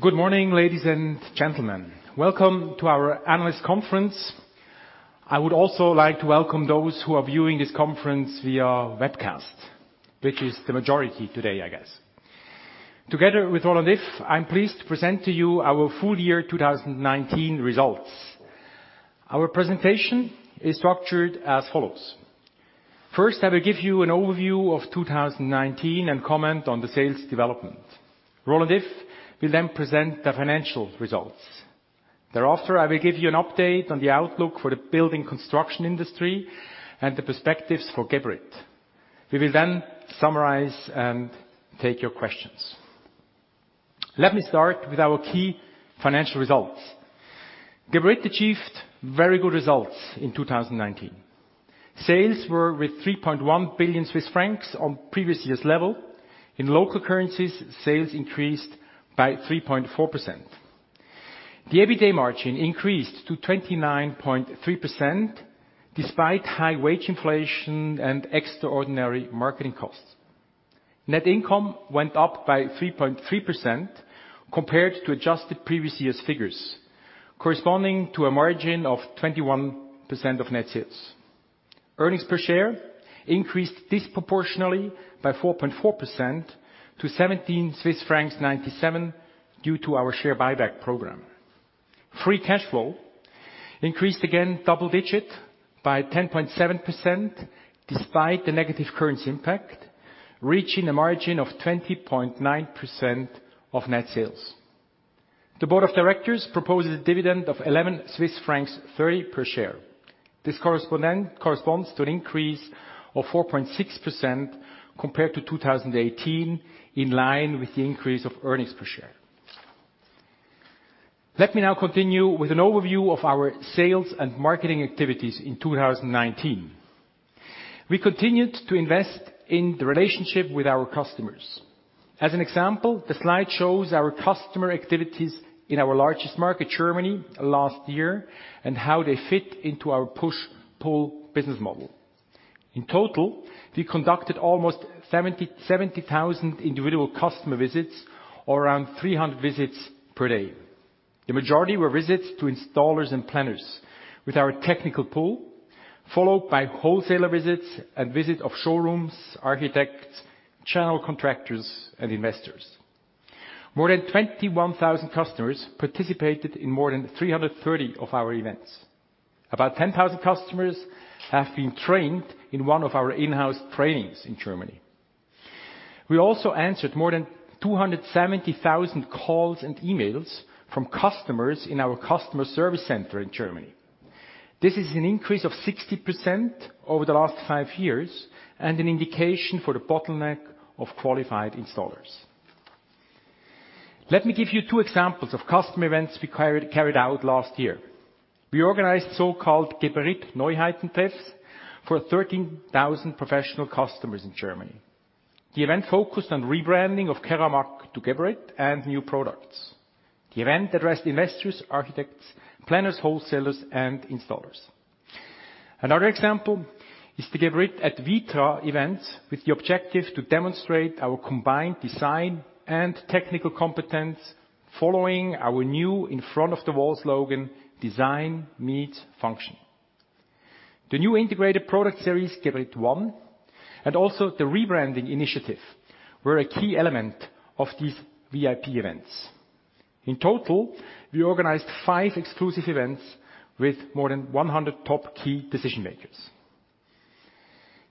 Good morning, ladies and gentlemen. Welcome to our Analyst Conference. I would also like to welcome those who are viewing this conference via webcast, which is the majority today, I guess. Together with Roland Iff, I'm pleased to present to you our full year 2019 results. Our presentation is structured as follows. First, I will give you an overview of 2019 and comment on the sales development. Roland Iff will then present the financial results. Thereafter, I will give you an update on the outlook for the building construction industry and the perspectives for Geberit. We will then summarize and take your questions. Let me start with our key financial results. Geberit achieved very good results in 2019. Sales were with 3.1 billion Swiss francs on previous year's level. In local currencies, sales increased by 3.4%. The EBITDA margin increased to 29.3%, despite high wage inflation and extraordinary marketing costs. Net income went up by 3.3% compared to adjusted previous year's figures, corresponding to a margin of 21% of net sales. Earnings per share increased disproportionally by 4.4% to 17.97 Swiss francs due to our share buyback program. Free cash flow increased again double digit by 10.7%, despite the negative currency impact, reaching a margin of 20.9% of net sales. The board of directors proposes a dividend of 11.30 Swiss francs per share. This corresponds to an increase of 4.6% compared to 2018, in line with the increase of earnings per share. Let me now continue with an overview of our sales and marketing activities in 2019. We continued to invest in the relationship with our customers. As an example, the slide shows our customer activities in our largest market, Germany, last year, and how they fit into our push-pull business model. In total, we conducted almost 70,000 individual customer visits, or around 300 visits per day. The majority were visits to installers and planners with our technical pull, followed by wholesaler visits and visit of showrooms, architects, channel contractors, and investors. More than 21,000 customers participated in more than 330 of our events. About 10,000 customers have been trained in one of our in-house trainings in Germany. We also answered more than 270,000 calls and emails from customers in our customer service center in Germany. This is an increase of 60% over the last five years, and an indication for the bottleneck of qualified installers. Let me give you two examples of customer events we carried out last year. We organized so-called Geberit Neuheiten Tests for 13,000 professional customers in Germany. The event focused on rebranding of Keramag to Geberit and new products. The event addressed investors, architects, planners, wholesalers, and installers. Another example is the Geberit at Vitra event, with the objective to demonstrate our combined design and technical competence following our new in front of the wall slogan, "Design Meets Function." The new integrated product series, Geberit ONE, and also the rebranding initiative, were a key element of these VIP events. In total, we organized five exclusive events with more than 100 top key decision makers.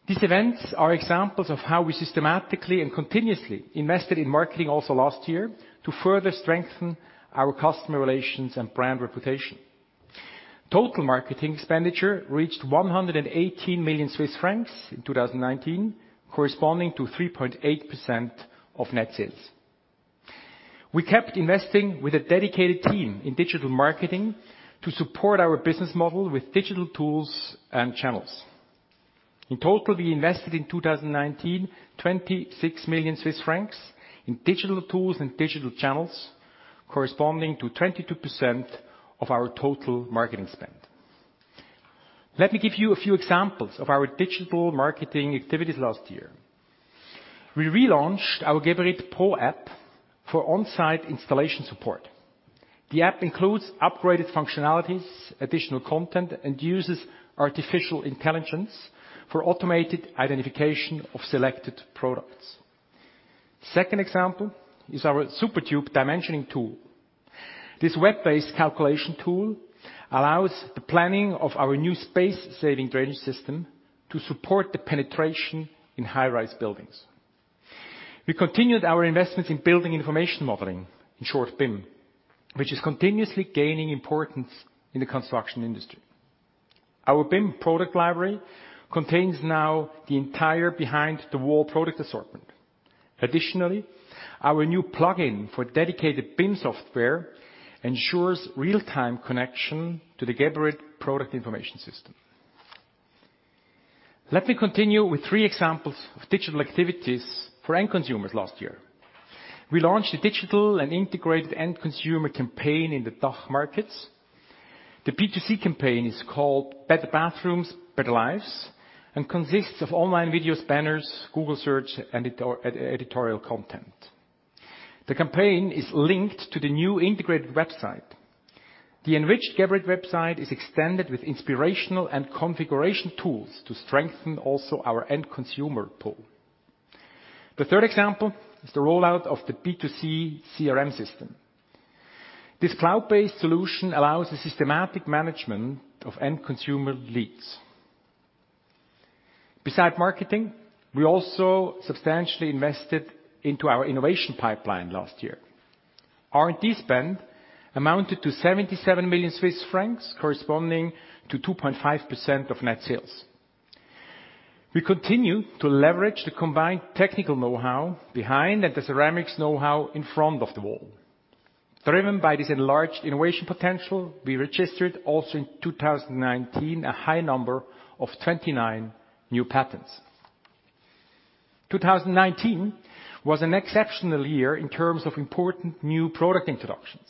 These events are examples of how we systematically and continuously invested in marketing also last year to further strengthen our customer relations and brand reputation. Total marketing expenditure reached 118 million Swiss francs in 2019, corresponding to 3.8% of net sales. We kept investing with a dedicated team in digital marketing to support our business model with digital tools and channels. In total, we invested in 2019, 26 million Swiss francs in digital tools and digital channels, corresponding to 22% of our total marketing spend. Let me give you a few examples of our digital marketing activities last year. We relaunched our Geberit Pro app for on-site installation support. The app includes upgraded functionalities, additional content, and uses artificial intelligence for automated identification of selected products. Second example is our SuperTube dimensioning tool. This web-based calculation tool allows the planning of our new space-saving drainage system to support the penetration in high-rise buildings. We continued our investments in building information modeling, in short, BIM, which is continuously gaining importance in the construction industry. Our BIM product library contains now the entire behind-the-wall product assortment. Additionally, our new plugin for dedicated BIM software ensures real-time connection to the Geberit product information system. Let me continue with three examples of digital activities for end consumers last year. We launched a digital and integrated end consumer campaign in the DACH markets. The B2C campaign is called Better Bathrooms, Better Lives, and consists of online videos, banners, Google Search, and editorial content. The campaign is linked to the new integrated website. The enriched Geberit website is extended with inspirational and configuration tools to strengthen also our end consumer pool. The third example is the rollout of the B2C CRM system. This cloud-based solution allows the systematic management of end consumer leads. Beside marketing, we also substantially invested into our innovation pipeline last year. R&D spend amounted to 77 million Swiss francs, corresponding to 2.5% of net sales. We continue to leverage the combined technical know-how behind and the ceramics know-how in front of the wall. Driven by this enlarged innovation potential, we registered also in 2019, a high number of 29 new patents. 2019 was an exceptional year in terms of important new product introductions.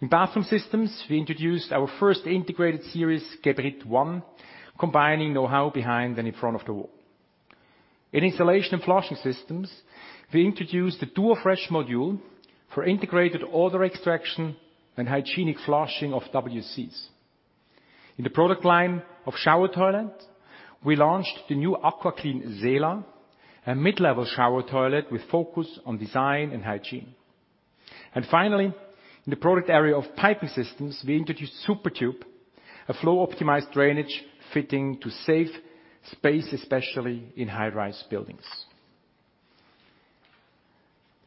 In Bathroom Systems, we introduced our first integrated series, Geberit ONE, combining know-how behind and in front of the wall. In Installation and Flushing Systems, we introduced the DuoFresh module for integrated odor extraction and hygienic flushing of WCs. In the product line of shower toilet, we launched the new AquaClean Sela, a mid-level shower toilet with focus on design and hygiene. Finally, in the product area of Piping Systems, we introduced SuperTube, a flow-optimized drainage fitting to save space, especially in high-rise buildings.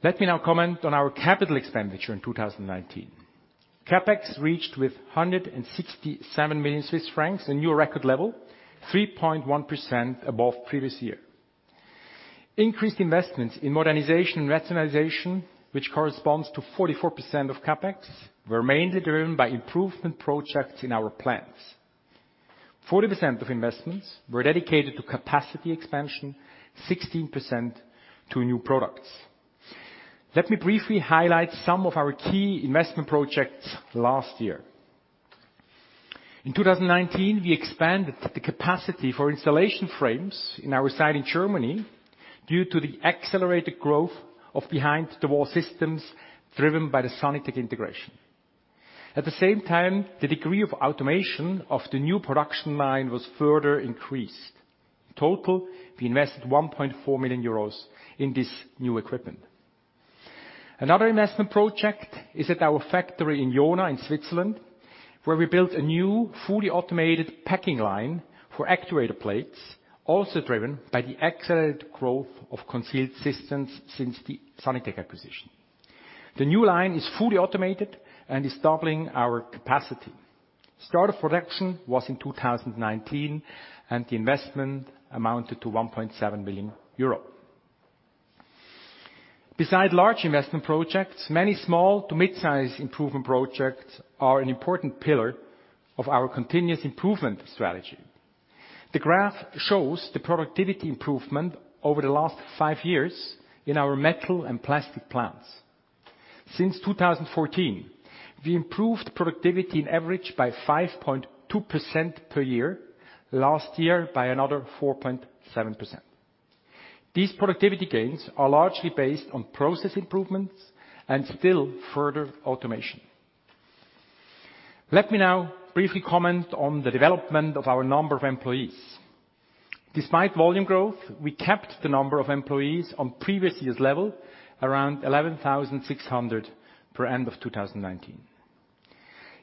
Let me now comment on our capital expenditure in 2019. CapEx reached with 167 million Swiss francs, a new record level, 3.1% above previous year. Increased investments in modernization and rationalization, which corresponds to 44% of CapEx, were mainly driven by improvement projects in our plants. 40% of investments were dedicated to capacity expansion, 16% to new products. Let me briefly highlight some of our key investment projects last year. In 2019, we expanded the capacity for installation frames in our site in Germany due to the accelerated growth of behind-the-wall systems driven by the Sanitec integration. At the same time, the degree of automation of the new production line was further increased. We invested 1.4 million euros in this new equipment. Another investment project is at our factory in Jona, in Switzerland, where we built a new fully automated packing line for actuator plates, also driven by the accelerated growth of concealed systems since the Sanitec acquisition. The new line is fully automated and is doubling our capacity. Start of production was in 2019, and the investment amounted to 1.7 million euro. Beside large investment projects, many small to mid-size improvement projects are an important pillar of our continuous improvement strategy. The graph shows the productivity improvement over the last five years in our metal and plastic plants. Since 2014, we improved productivity on average by 5.2% per year. Last year, by another 4.7%. These productivity gains are largely based on process improvements and still further automation. Let me now briefly comment on the development of our number of employees. Despite volume growth, we kept the number of employees on previous year's level around 11,600 per end of 2019.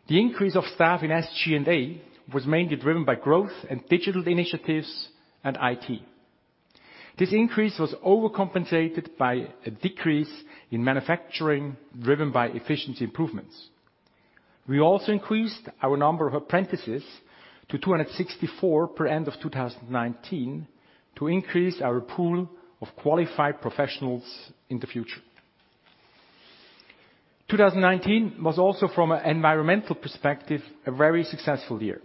The increase of staff in SG&A was mainly driven by growth in digital initiatives and IT. This increase was overcompensated by a decrease in manufacturing driven by efficiency improvements. We also increased our number of apprentices to 264 per end of 2019, to increase our pool of qualified professionals in the future. 2019 was also, from an environmental perspective, a very successful year.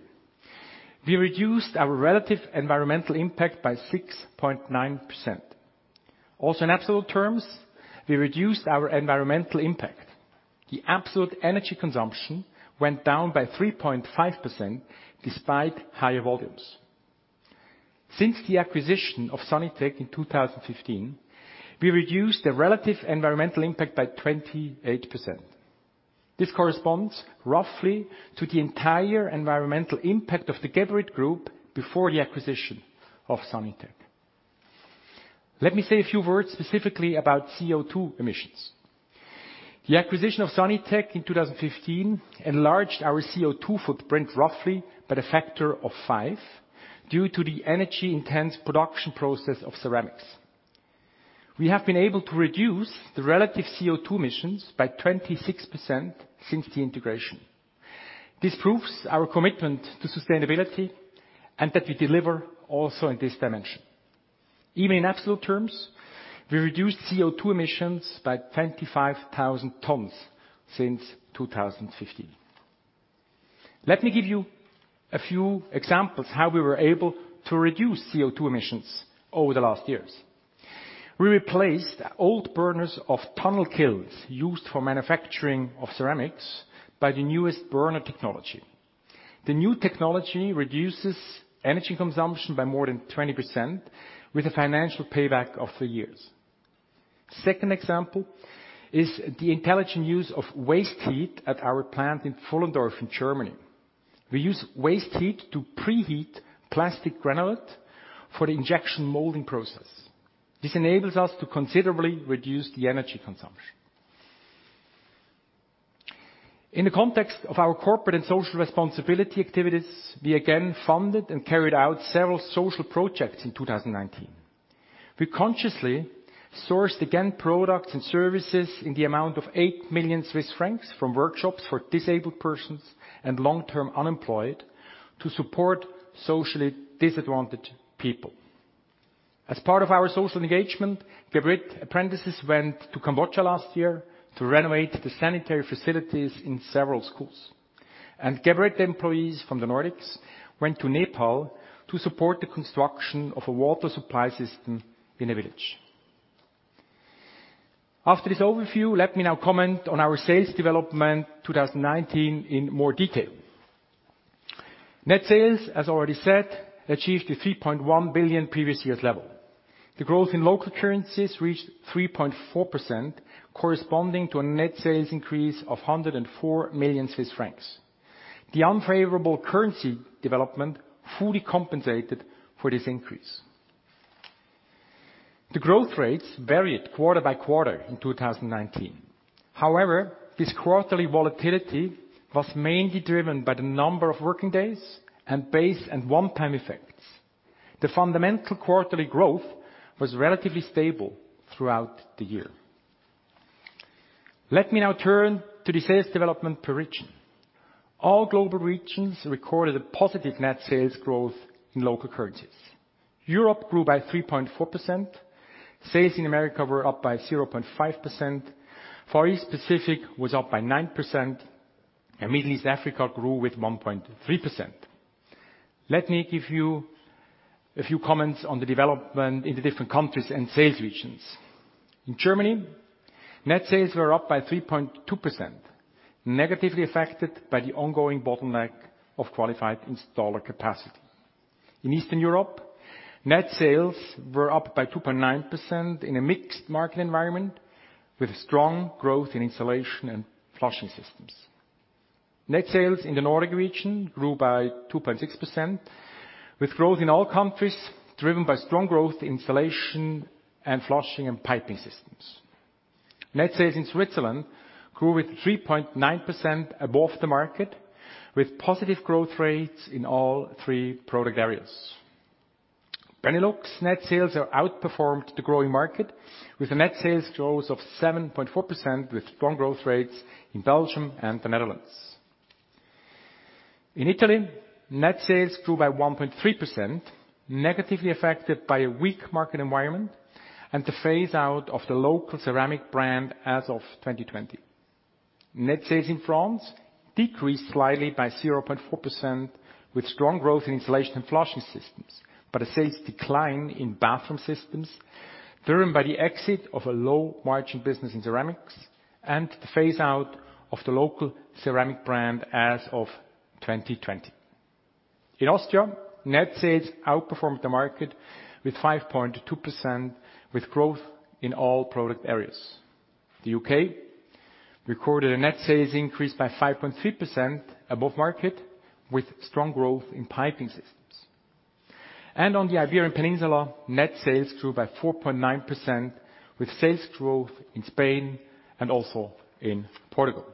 We reduced our relative environmental impact by 6.9%. Also in absolute terms, we reduced our environmental impact. The absolute energy consumption went down by 3.5%, despite higher volumes. Since the acquisition of Sanitec in 2015, we reduced the relative environmental impact by 28%. This corresponds roughly to the entire environmental impact of the Geberit Group before the acquisition of Sanitec. Let me say a few words specifically about CO2 emissions. The acquisition of Sanitec in 2015 enlarged our CO2 footprint roughly by the factor of five due to the energy-intense production process of ceramics. We have been able to reduce the relative CO2 emissions by 26% since the integration. This proves our commitment to sustainability and that we deliver also in this dimension. Even in absolute terms, we reduced CO2 emissions by 25,000 tons since 2015. Let me give you a few examples how we were able to reduce CO2 emissions over the last years. We replaced old burners of tunnel kilns used for manufacturing of ceramics by the newest burner technology. The new technology reduces energy consumption by more than 20%, with a financial payback of three years. Second example is the intelligent use of waste heat at our plant in Pfullendorf in Germany. We use waste heat to pre-heat plastic granulate for the injection molding process. This enables us to considerably reduce the energy consumption. In the context of our corporate and social responsibility activities, we again funded and carried out several social projects in 2019. We consciously sourced again products and services in the amount of 8 million Swiss francs from workshops for disabled persons and long-term unemployed to support socially disadvantaged people. Geberit apprentices went to Cambodia last year to renovate the sanitary facilities in several schools. Geberit employees from the Nordics went to Nepal to support the construction of a water supply system in a village. After this overview, let me now comment on our sales development 2019 in more detail. Net sales, as already said, achieved the 3.1 billion previous year's level. The growth in local currencies reached 3.4%, corresponding to a net sales increase of 104 million Swiss francs. The unfavorable currency development fully compensated for this increase. The growth rates varied quarter by quarter in 2019. However, this quarterly volatility was mainly driven by the number of working days and base and one-time effects. The fundamental quarterly growth was relatively stable throughout the year. Let me now turn to the sales development per region. All global regions recorded a positive net sales growth in local currencies. Europe grew by 3.4%, sales in America were up by 0.5%, Far East Pacific was up by 9%, and Middle East Africa grew with 1.3%. Let me give you a few comments on the development in the different countries and sales regions. In Germany, net sales were up by 3.2%, negatively affected by the ongoing bottleneck of qualified installer capacity. In Eastern Europe, net sales were up by 2.9% in a mixed market environment, with strong growth in Installation and Flushing Systems. Net sales in the Nordics region grew by 2.6%, with growth in all countries driven by strong growth in Installation and Flushing Systems and Piping Systems. Net sales in Switzerland grew with 3.9% above the market, with positive growth rates in all three product areas. Benelux net sales have outperformed the growing market, with a net sales growth of 7.4% with strong growth rates in Belgium and the Netherlands. In Italy, net sales grew by 1.3%, negatively affected by a weak market environment and the phase-out of the local ceramic brand as of 2020. Net sales in France decreased slightly by 0.4%, with strong growth in Installation and Flushing Systems, but a sales decline in Bathroom Systems driven by the exit of a low-margin business in ceramics and the phase-out of the local ceramic brand as of 2020. In Austria, net sales outperformed the market with 5.2%, with growth in all product areas. The U.K. recorded a net sales increase by 5.3% above market, with strong growth in Piping Systems. On the Iberian Peninsula, net sales grew by 4.9%, with sales growth in Spain and also in Portugal.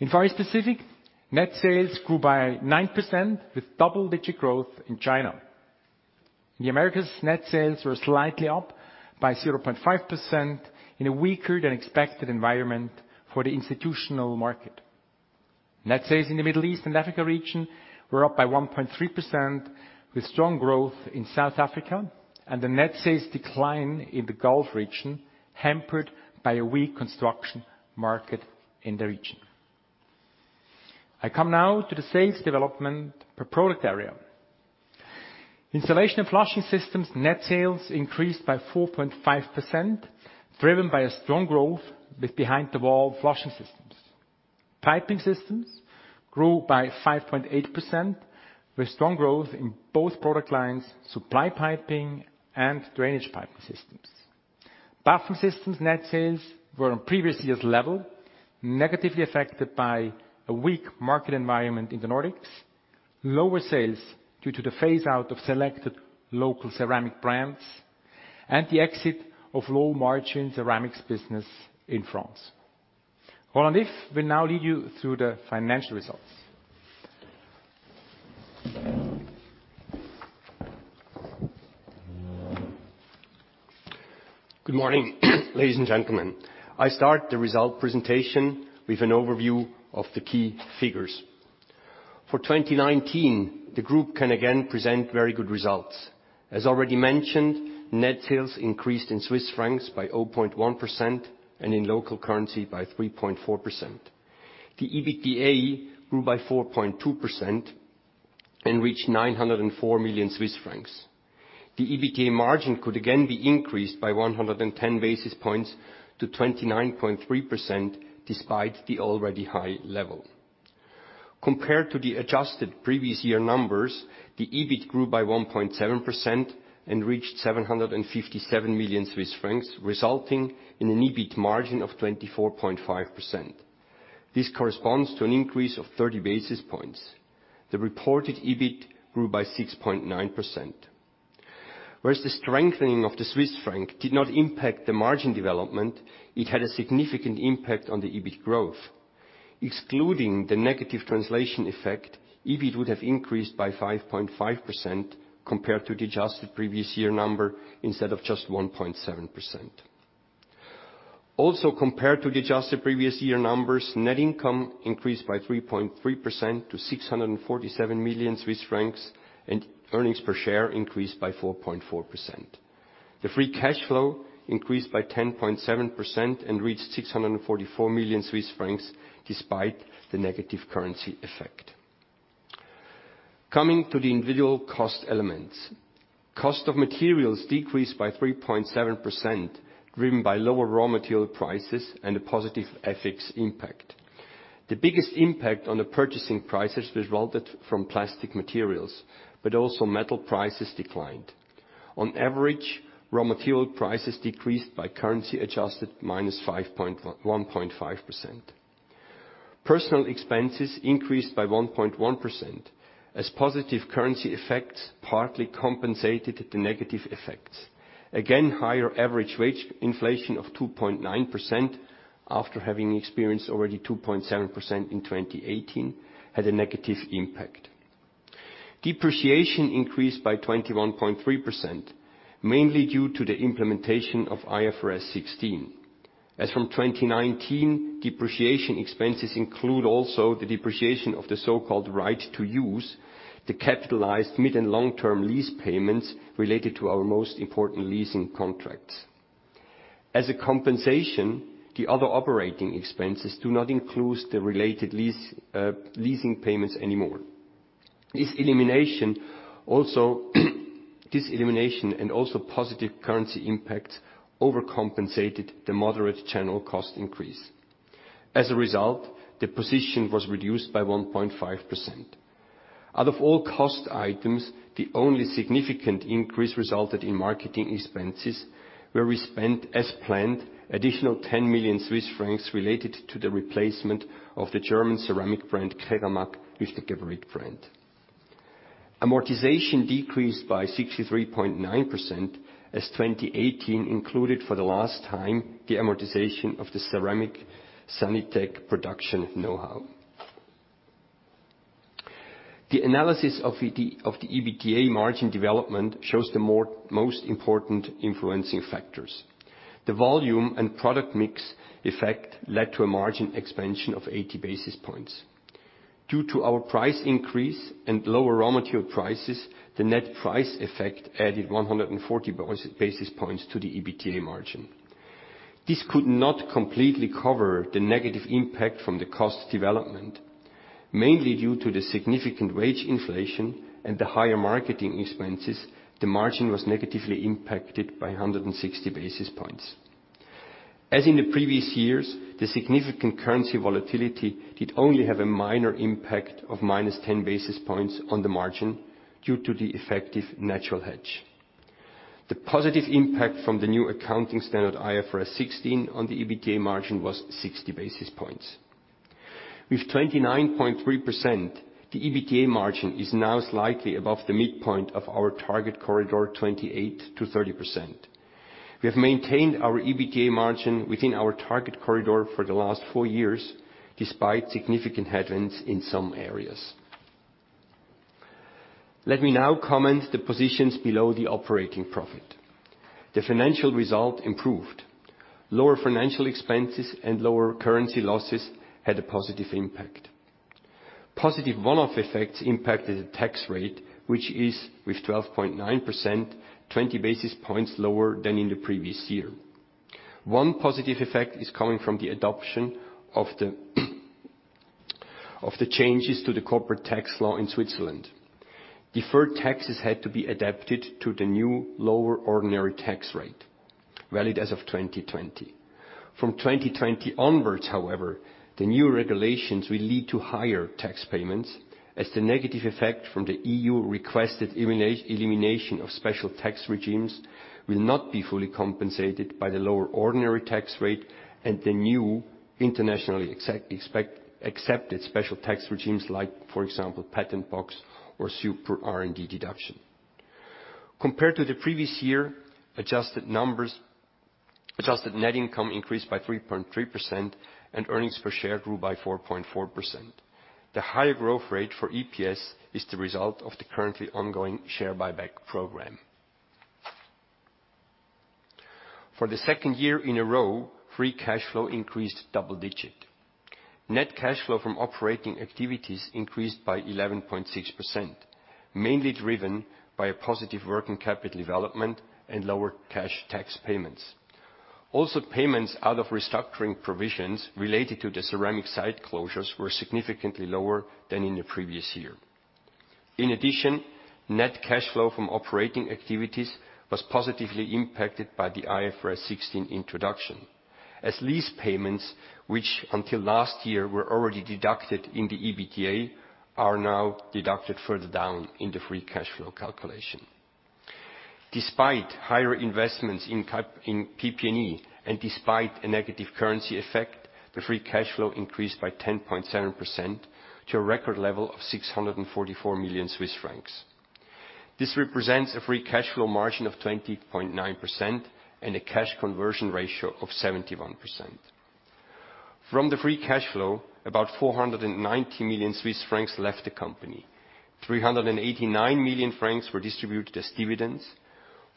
In Far East Pacific, net sales grew by 9%, with double-digit growth in China. In the Americas, net sales were slightly up by 0.5% in a weaker than expected environment for the institutional market. Net sales in the Middle East and Africa region were up by 1.3%, with strong growth in South Africa, the net sales decline in the Gulf region hampered by a weak construction market in the region. I come now to the sales development per product area. Installation and Flushing Systems net sales increased by 4.5%, driven by a strong growth with behind-the-wall flushing systems. Piping Systems grew by 5.8%, with strong growth in both product lines, supply piping and drainage piping systems. Bathroom Systems net sales were on previous year's level, negatively affected by a weak market environment in the Nordics, lower sales due to the phase-out of selected local ceramic brands, and the exit of low-margin ceramics business in France. Roland Iff will now lead you through the financial results. Good morning, ladies and gentlemen. I start the result presentation with an overview of the key figures. For 2019, the group can again present very good results. As already mentioned, net sales increased in CHF by 0.1% and in local currency by 3.4%. The EBITDA grew by 4.2% and reached 904 million Swiss francs. The EBITDA margin could again be increased by 110 basis points to 29.3%, despite the already high level. Compared to the adjusted previous year numbers, the EBIT grew by 1.7% and reached 757 million Swiss francs, resulting in an EBIT margin of 24.5%. This corresponds to an increase of 30 basis points. The reported EBIT grew by 6.9%. Whereas the strengthening of the Swiss franc did not impact the margin development, it had a significant impact on the EBIT growth. Excluding the negative translation effect, EBIT would have increased by 5.5% compared to the adjusted previous year number, instead of just 1.7%. Also compared to the adjusted previous year numbers, net income increased by 3.3% to 647 million Swiss francs, and earnings per share increased by 4.4%. The free cash flow increased by 10.7% and reached 644 million Swiss francs, despite the negative currency effect. Coming to the individual cost elements. Cost of materials decreased by 3.7%, driven by lower raw material prices and a positive FX impact. The biggest impact on the purchasing prices resulted from plastic materials, but also metal prices declined. On average, raw material prices decreased by currency adjusted minus 1.5%. Personnel expenses increased by 1.1%, as positive currency effects partly compensated the negative effects. Again, higher average wage inflation of 2.9% after having experienced already 2.7% in 2018, had a negative impact. Depreciation increased by 21.3%, mainly due to the implementation of IFRS 16. As from 2019, depreciation expenses include also the depreciation of the so-called right-of-use, the capitalized mid and long-term lease payments related to our most important leasing contracts. As a compensation, the other operating expenses do not include the related leasing payments anymore. This elimination and also positive currency impact overcompensated the moderate general cost increase. As a result, the position was reduced by 1.5%. Out of all cost items, the only significant increase resulted in marketing expenses, where we spent, as planned, additional 10 million Swiss francs related to the replacement of the German ceramic brand Keramag with the Geberit brand. Amortization decreased by 63.9%, as 2018 included for the last time the amortization of the ceramic Sanitec production know-how. The analysis of the EBITDA margin development shows the most important influencing factors. The volume and product mix effect led to a margin expansion of 80 basis points. Due to our price increase and lower raw material prices, the net price effect added 140 basis points to the EBITDA margin. This could not completely cover the negative impact from the cost development. Mainly due to the significant wage inflation and the higher marketing expenses, the margin was negatively impacted by 160 basis points. As in the previous years, the significant currency volatility did only have a minor impact of minus 10 basis points on the margin due to the effective natural hedge. The positive impact from the new accounting standard, IFRS 16, on the EBITDA margin was 60 basis points. With 29.3%, the EBITDA margin is now slightly above the midpoint of our target corridor, 28%-30%. We have maintained our EBITDA margin within our target corridor for the last four years, despite significant headwinds in some areas. Let me now comment the positions below the operating profit. The financial result improved. Lower financial expenses and lower currency losses had a positive impact. Positive one-off effects impacted the tax rate, which is, with 12.9%, 20 basis points lower than in the previous year. One positive effect is coming from the adoption of the changes to the corporate tax law in Switzerland. Deferred taxes had to be adapted to the new lower ordinary tax rate, valid as of 2020. From 2020 onwards, however, the new regulations will lead to higher tax payments as the negative effect from the EU requested elimination of special tax regimes will not be fully compensated by the lower ordinary tax rate and the new internationally accepted special tax regimes like, for example, Patent Box or super R&D deduction. Compared to the previous year, adjusted net income increased by 3.3% and earnings per share grew by 4.4%. The higher growth rate for EPS is the result of the currently ongoing share buyback program. For the second year in a row, free cash flow increased double-digit. Net cash flow from operating activities increased by 11.6%, mainly driven by a positive working capital development and lower cash tax payments. Also, payments out of restructuring provisions related to the ceramic site closures were significantly lower than in the previous year. In addition, net cash flow from operating activities was positively impacted by the IFRS 16 introduction, as lease payments, which until last year were already deducted in the EBITDA, are now deducted further down in the free cash flow calculation. Despite higher investments in PP&E and despite a negative currency effect, the free cash flow increased by 10.7% to a record level of 644 million Swiss francs. This represents a free cash flow margin of 20.9% and a cash conversion ratio of 71%. From the free cash flow, about 490 million Swiss francs left the company. 389 million francs were distributed as dividends.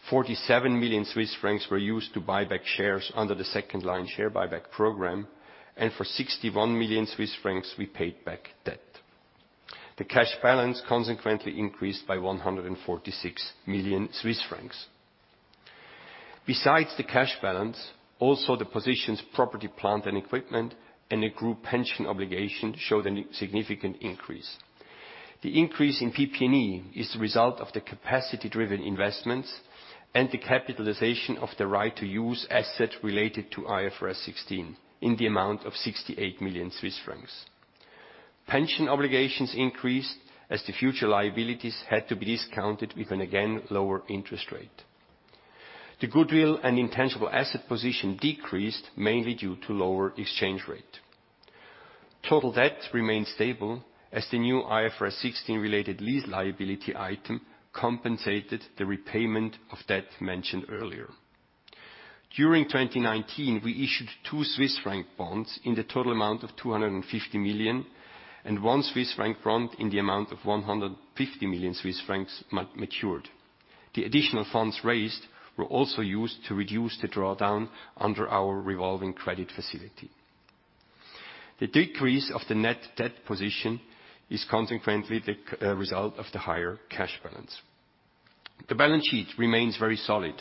47 million Swiss francs were used to buy back shares under the second line share buyback program. For 61 million Swiss francs, we paid back debt. The cash balance consequently increased by 146 million Swiss francs. Besides the cash balance, also the positions property, plant, and equipment, and a group pension obligation showed a significant increase. The increase in PP&E is the result of the capacity-driven investments and the capitalization of the right-of-use asset related to IFRS 16 in the amount of 68 million Swiss francs. Pension obligations increased as the future liabilities had to be discounted with an again lower interest rate. The goodwill and intangible asset position decreased mainly due to lower exchange rate. Total debt remained stable as the new IFRS 16 related lease liability item compensated the repayment of debt mentioned earlier. During 2019, we issued two Swiss franc bonds in the total amount of 250 million and one Swiss franc bond in the amount of 150 million Swiss francs matured. The additional funds raised were also used to reduce the drawdown under our revolving credit facility. The decrease of the net debt position is consequently the result of the higher cash balance. The balance sheet remains very solid.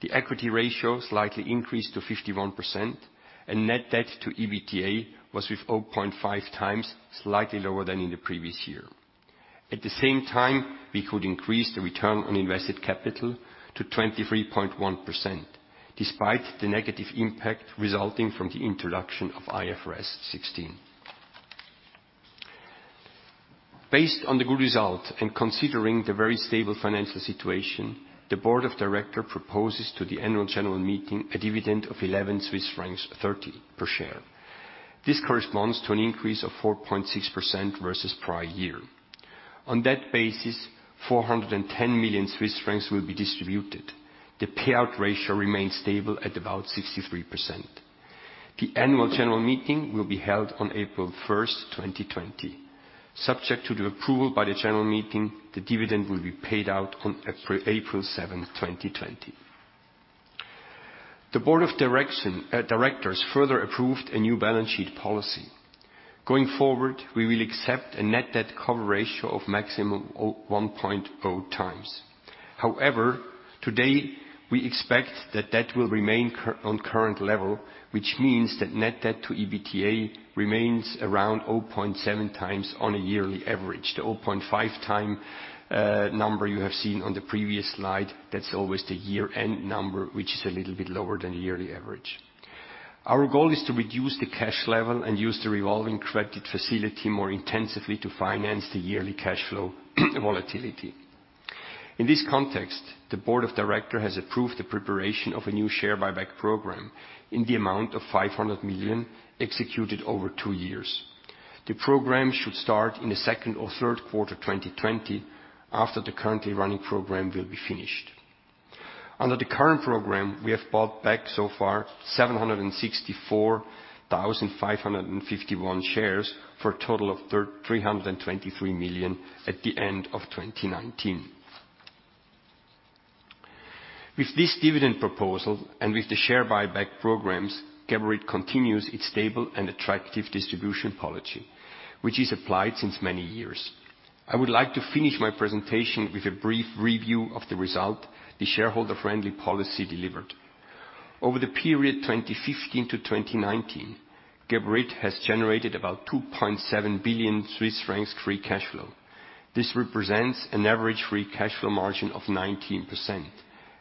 The equity ratio slightly increased to 51%, and net debt to EBITDA was with 0.5 times, slightly lower than in the previous year. At the same time, we could increase the return on invested capital to 23.1%, despite the negative impact resulting from the introduction of IFRS 16. Based on the good result and considering the very stable financial situation, the Board of Directors proposes to the Annual General Meeting a dividend of 11.30 Swiss francs per share. This corresponds to an increase of 4.6% versus prior year. On that basis, 410 million Swiss francs will be distributed. The payout ratio remains stable at about 63%. The Annual General Meeting will be held on April 1st, 2020. Subject to the approval by the general meeting, the dividend will be paid out on April 7th, 2020. The board of directors further approved a new balance sheet policy. Going forward, we will accept a net debt cover ratio of maximum 1.0 times. However, today, we expect the debt will remain on current level, which means that net debt to EBITDA remains around 0.7 times on a yearly average. The 0.5 time number you have seen on the previous slide, that's always the year-end number, which is a little bit lower than the yearly average. Our goal is to reduce the cash level and use the revolving credit facility more intensively to finance the yearly cash flow volatility. In this context, the board of director has approved the preparation of a new share buyback program in the amount of 500 million executed over two years. The program should start in the second or third quarter 2020, after the currently running program will be finished. Under the current program, we have bought back so far 764,551 shares for a total of 323 million at the end of 2019. With this dividend proposal and with the share buyback programs, Geberit continues its stable and attractive distribution policy, which is applied since many years. I would like to finish my presentation with a brief review of the result the shareholder-friendly policy delivered. Over the period 2015 to 2019, Geberit has generated about 2.7 billion Swiss francs free cash flow. This represents an average free cash flow margin of 19%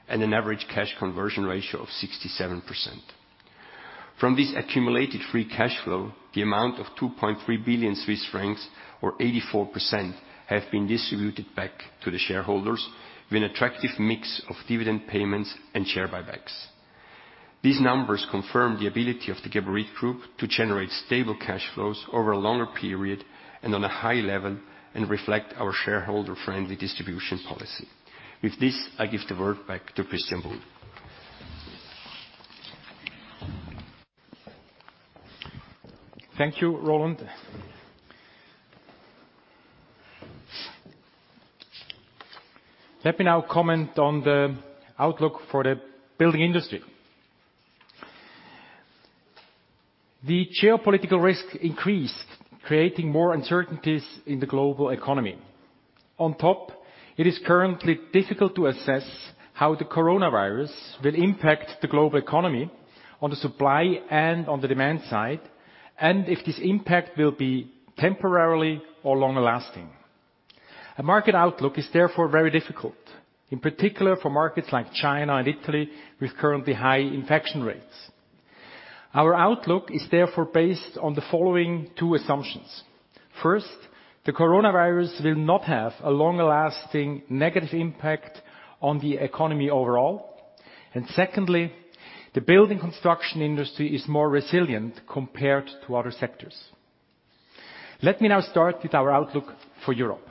and an average cash conversion ratio of 67%. From this accumulated free cash flow, the amount of 2.3 billion Swiss francs or 84% have been distributed back to the shareholders with an attractive mix of dividend payments and share buybacks. These numbers confirm the ability of the Geberit Group to generate stable cash flows over a longer period and on a high level and reflect our shareholder-friendly distribution policy. With this, I give the word back to Christian Buhl. Thank you, Roland. Let me now comment on the outlook for the building industry. The geopolitical risk increased, creating more uncertainties in the global economy. On top, it is currently difficult to assess how the coronavirus will impact the global economy on the supply and on the demand side, and if this impact will be temporarily or longer lasting. A market outlook is therefore very difficult, in particular for markets like China and Italy with currently high infection rates. Our outlook is therefore based on the following two assumptions. First, the coronavirus will not have a long-lasting negative impact on the economy overall. Secondly, the building construction industry is more resilient compared to other sectors. Let me now start with our outlook for Europe.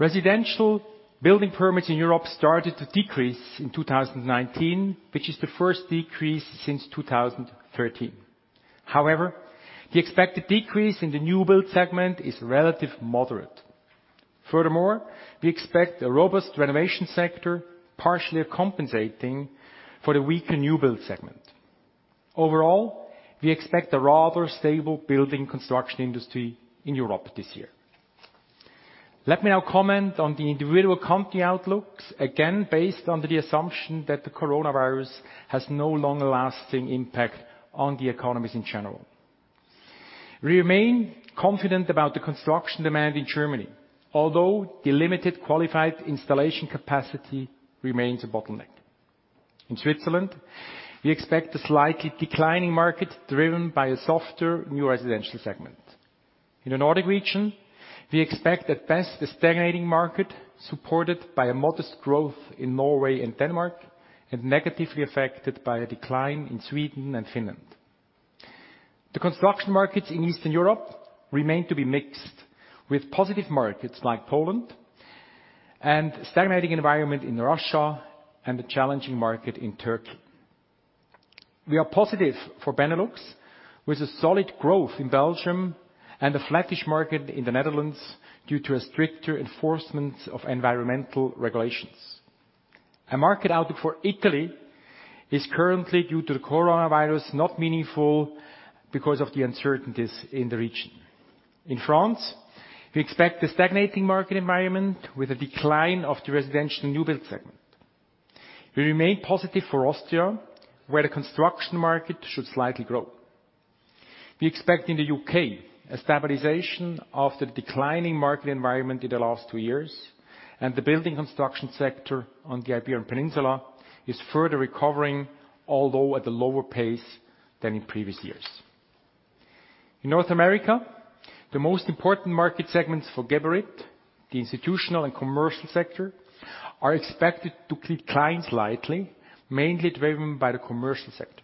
Residential building permits in Europe started to decrease in 2019, which is the first decrease since 2013. However, the expected decrease in the new build segment is relative moderate. Furthermore, we expect a robust renovation sector, partially compensating for the weaker new build segment. Overall, we expect a rather stable building construction industry in Europe this year. Let me now comment on the individual company outlooks, again, based under the assumption that the coronavirus has no longer lasting impact on the economies in general. We remain confident about the construction demand in Germany, although the limited qualified installation capacity remains a bottleneck. In Switzerland, we expect a slightly declining market driven by a softer new residential segment. In the Nordics region, we expect at best a stagnating market supported by a modest growth in Norway and Denmark, and negatively affected by a decline in Sweden and Finland. The construction markets in Eastern Europe remain to be mixed, with positive markets like Poland and stagnating environment in Russia, and a challenging market in Turkey. We are positive for Benelux, with a solid growth in Belgium and a flattish market in the Netherlands due to a stricter enforcement of environmental regulations. A market outlook for Italy is currently due to the coronavirus not meaningful because of the uncertainties in the region. In France, we expect a stagnating market environment with a decline of the residential new build segment. We remain positive for Austria, where the construction market should slightly grow. We expect in the U.K. a stabilization of the declining market environment in the last two years. The building construction sector on the Iberian Peninsula is further recovering, although at a lower pace than in previous years. In North America, the most important market segments for Geberit, the institutional and commercial sector, are expected to decline slightly, mainly driven by the commercial sector.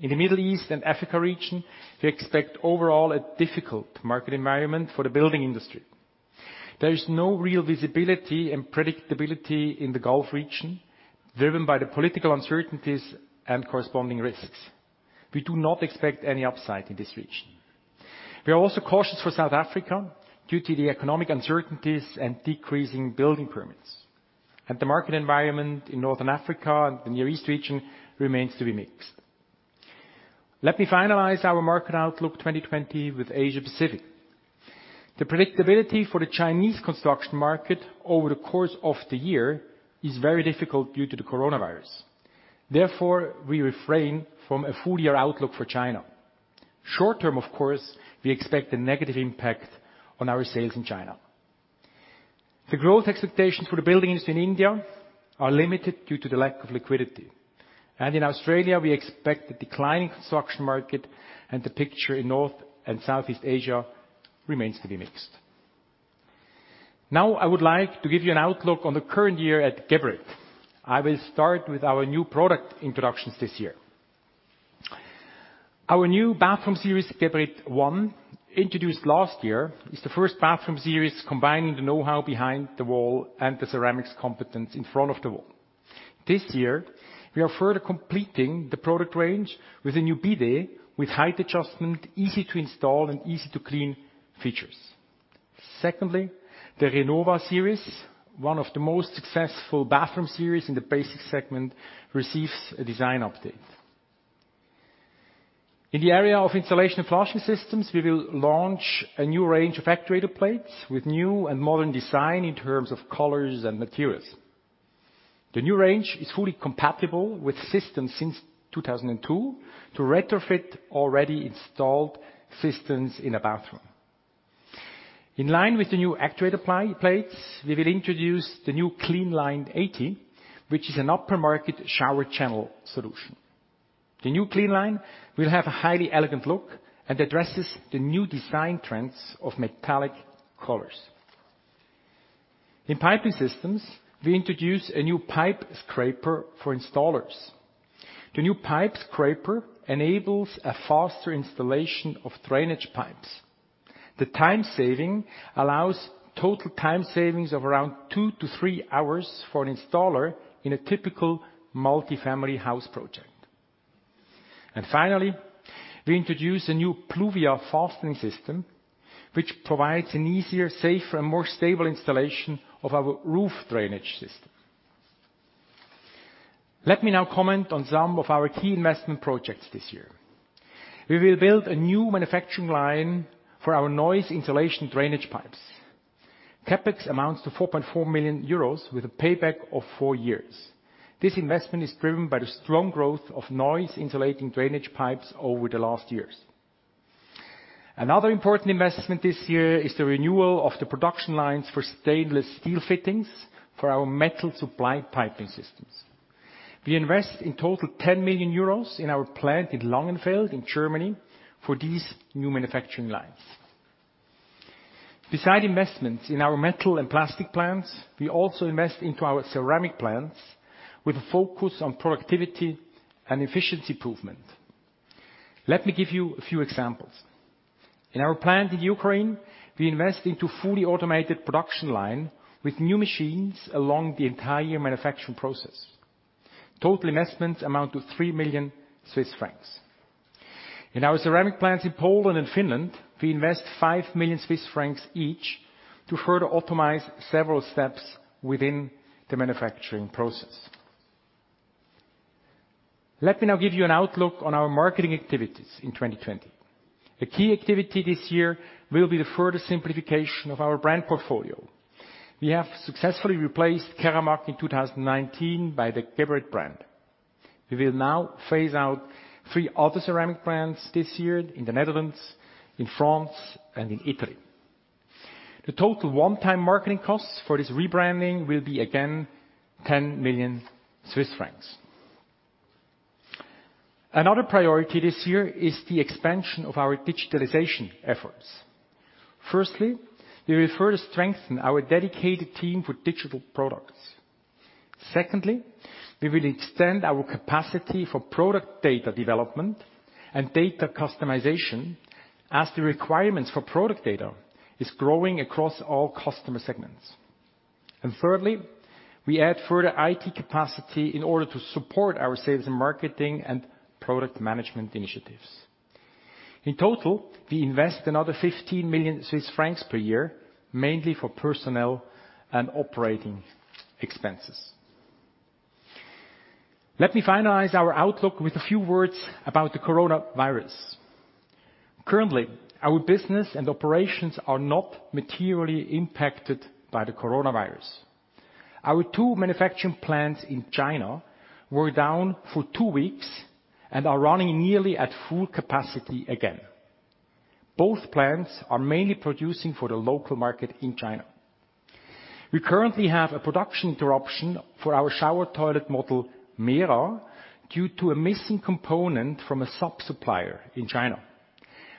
In the Middle East and Africa region, we expect overall a difficult market environment for the building industry. There is no real visibility and predictability in the Gulf region, driven by the political uncertainties and corresponding risks. We do not expect any upside in this region. We are also cautious for South Africa due to the economic uncertainties and decreasing building permits. The market environment in Northern Africa and the Near East region remains to be mixed. Let me finalize our market outlook 2020 with Asia Pacific. The predictability for the Chinese construction market over the course of the year is very difficult due to the coronavirus. Therefore, we refrain from a full-year outlook for China. Short-term, of course, we expect a negative impact on our sales in China. The growth expectations for the building industry in India are limited due to the lack of liquidity. In Australia, we expect the declining construction market and the picture in North and Southeast Asia remains to be mixed. I would like to give you an outlook on the current year at Geberit. I will start with our new product introductions this year. Our new bathroom series, Geberit ONE, introduced last year, is the first bathroom series combining the know-how behind the wall and the ceramics competence in front of the wall. This year, we are further completing the product range with a new bidet with height adjustment, easy-to-install, and easy-to-clean features. Secondly, the Renova series, one of the most successful bathroom series in the basic segment, receives a design update. In the area of Installation and Flushing Systems, we will launch a new range of actuator plates with new and modern design in terms of colors and materials. The new range is fully compatible with systems since 2002 to retrofit already installed systems in a bathroom. In line with the new actuator plates, we will introduce the new CleanLine80, which is an upper market shower channel solution. The new CleanLine will have a highly elegant look and addresses the new design trends of metallic colors. In Piping Systems, we introduce a new pipe scraper for installers. The new pipe scraper enables a faster installation of drainage pipes. The time saving allows total time savings of around two to three hours for an installer in a typical multifamily house project. Finally, we introduce a new Pluvia fastening system, which provides an easier, safer, and more stable installation of our roof drainage system. Let me now comment on some of our key investment projects this year. We will build a new manufacturing line for our noise insulation drainage pipes. CapEx amounts to 4.4 million euros with a payback of four years. This investment is driven by the strong growth of noise insulating drainage pipes over the last years. Another important investment this year is the renewal of the production lines for stainless steel fittings for our metal supply piping systems. We invest in total 10 million euros in our plant in Langenfeld in Germany for these new manufacturing lines. Besides investments in our metal and plastic plants, we also invest into our ceramic plants with a focus on productivity and efficiency improvement. Let me give you a few examples. In our plant in Ukraine, we invest into fully automated production line with new machines along the entire manufacturing process. Total investments amount to 3 million Swiss francs. In our ceramic plants in Poland and Finland, we invest 5 million Swiss francs each to further optimize several steps within the manufacturing process. Let me now give you an outlook on our marketing activities in 2020. A key activity this year will be the further simplification of our brand portfolio. We have successfully replaced Keramag in 2019 by the Geberit brand. We will now phase out three other ceramic brands this year in the Netherlands, in France, and in Italy. The total one-time marketing costs for this rebranding will be, again, 10 million Swiss francs. Another priority this year is the expansion of our digitalization efforts. Firstly, we will further strengthen our dedicated team for digital products. Secondly, we will extend our capacity for product data development and data customization as the requirements for product data is growing across all customer segments. Thirdly, we add further IT capacity in order to support our sales and marketing and product management initiatives. In total, we invest another 15 million Swiss francs per year, mainly for personnel and operating expenses. Let me finalize our outlook with a few words about the coronavirus. Currently, our business and operations are not materially impacted by the coronavirus. Our two manufacturing plants in China were down for two weeks and are running nearly at full capacity again. Both plants are mainly producing for the local market in China. We currently have a production interruption for our shower toilet model Mera due to a missing component from a sub-supplier in China.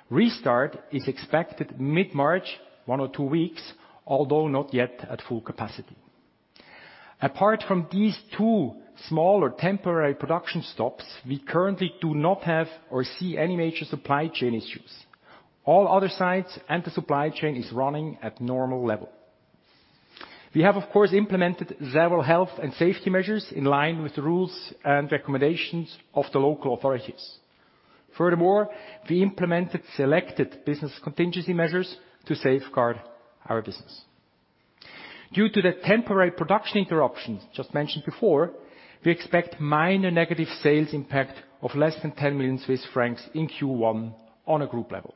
Restart is expected mid-March, one or two weeks, although not yet at full capacity. Apart from these two smaller temporary production stops, we currently do not have or see any major supply chain issues. All other sites and the supply chain is running at normal level. We have, of course, implemented several health and safety measures in line with the rules and recommendations of the local authorities. We implemented selected business contingency measures to safeguard our business. Due to the temporary production interruptions just mentioned before, we expect minor negative sales impact of less than 10 million Swiss francs in Q1 on a group level.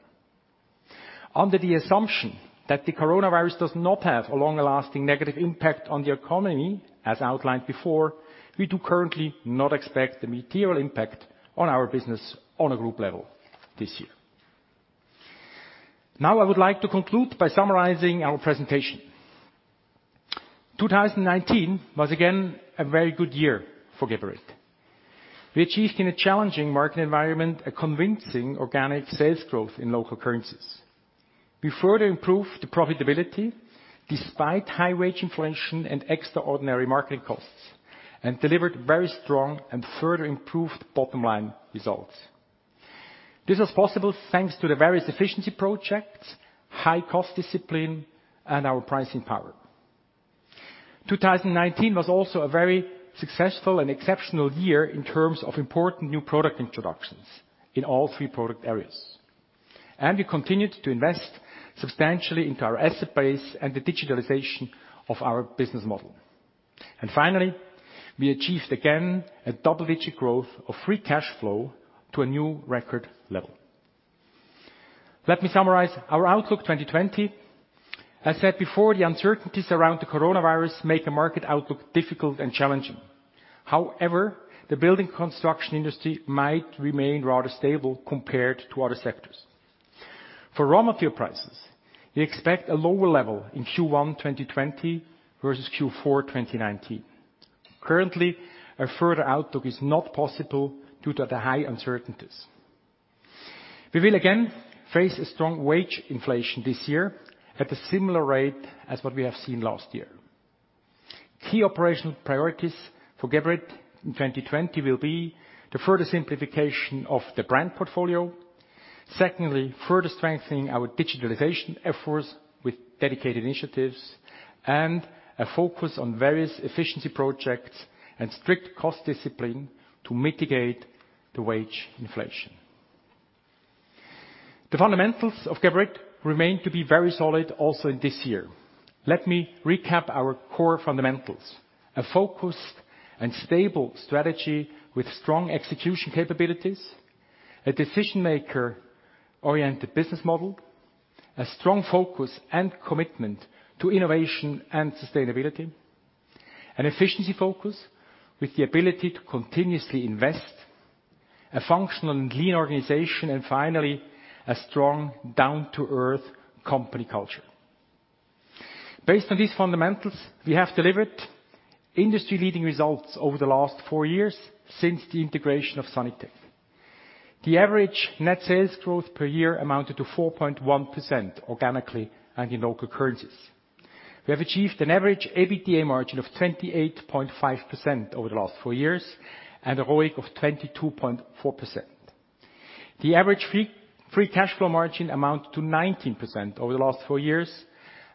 Under the assumption that the coronavirus does not have a long-lasting negative impact on the economy, as outlined before, we do currently not expect a material impact on our business on a group level this year. Now, I would like to conclude by summarizing our presentation. 2019 was again a very good year for Geberit. We achieved in a challenging market environment a convincing organic sales growth in local currencies. We further improved the profitability despite high wage inflation and extraordinary marketing costs and delivered very strong and further improved bottom-line results. This was possible thanks to the various efficiency projects, high cost discipline, and our pricing power. 2019 was also a very successful and exceptional year in terms of important new product introductions in all three product areas. We continued to invest substantially into our asset base and the digitalization of our business model. Finally, we achieved again a double-digit growth of free cash flow to a new record level. Let me summarize our outlook 2020. I said before, the uncertainties around the coronavirus make the market outlook difficult and challenging. However, the building construction industry might remain rather stable compared to other sectors. For raw material prices, we expect a lower level in Q1 2020 versus Q4 2019. Currently, a further outlook is not possible due to the high uncertainties. We will again face a strong wage inflation this year at a similar rate as what we have seen last year. Key operational priorities for Geberit in 2020 will be the further simplification of the brand portfolio. Further strengthening our digitalization efforts with dedicated initiatives and a focus on various efficiency projects and strict cost discipline to mitigate the wage inflation. The fundamentals of Geberit remain to be very solid also in this year. Let me recap our core fundamentals. A focused and stable strategy with strong execution capabilities, a decision-maker-oriented business model, a strong focus and commitment to innovation and sustainability, an efficiency focus with the ability to continuously invest, a functional and lean organization, and finally, a strong down-to-earth company culture. Based on these fundamentals, we have delivered industry-leading results over the last four years since the integration of Sanitec. The average net sales growth per year amounted to 4.1% organically and in local currencies. We have achieved an average EBITDA margin of 28.5% over the last four years, and a ROIC of 22.4%. The average free cash flow margin amounted to 19% over the last four years,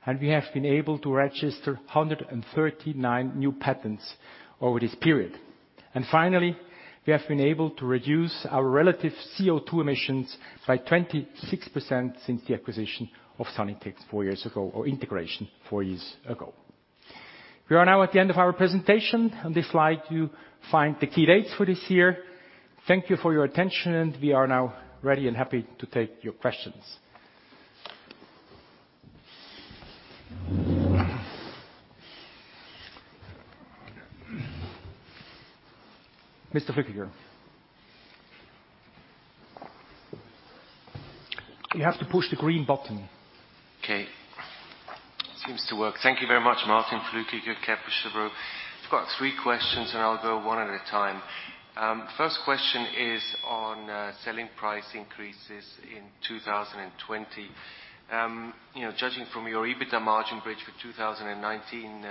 and we have been able to register 139 new patents over this period. Finally, we have been able to reduce our relative CO2 emissions by 26% since the acquisition of Sanitec four years ago, or integration four years ago. We are now at the end of our presentation. On this slide, you find the key dates for this year. Thank you for your attention. We are now ready and happy to take your questions. Mr. Flückiger. You have to push the green button. Okay. Seems to work. Thank you very much, Martin Flückiger, Kepler Cheuvreux. I've got three questions, and I'll go one at a time. First question is on selling price increases in 2020. Judging from your EBITDA margin bridge for 2019,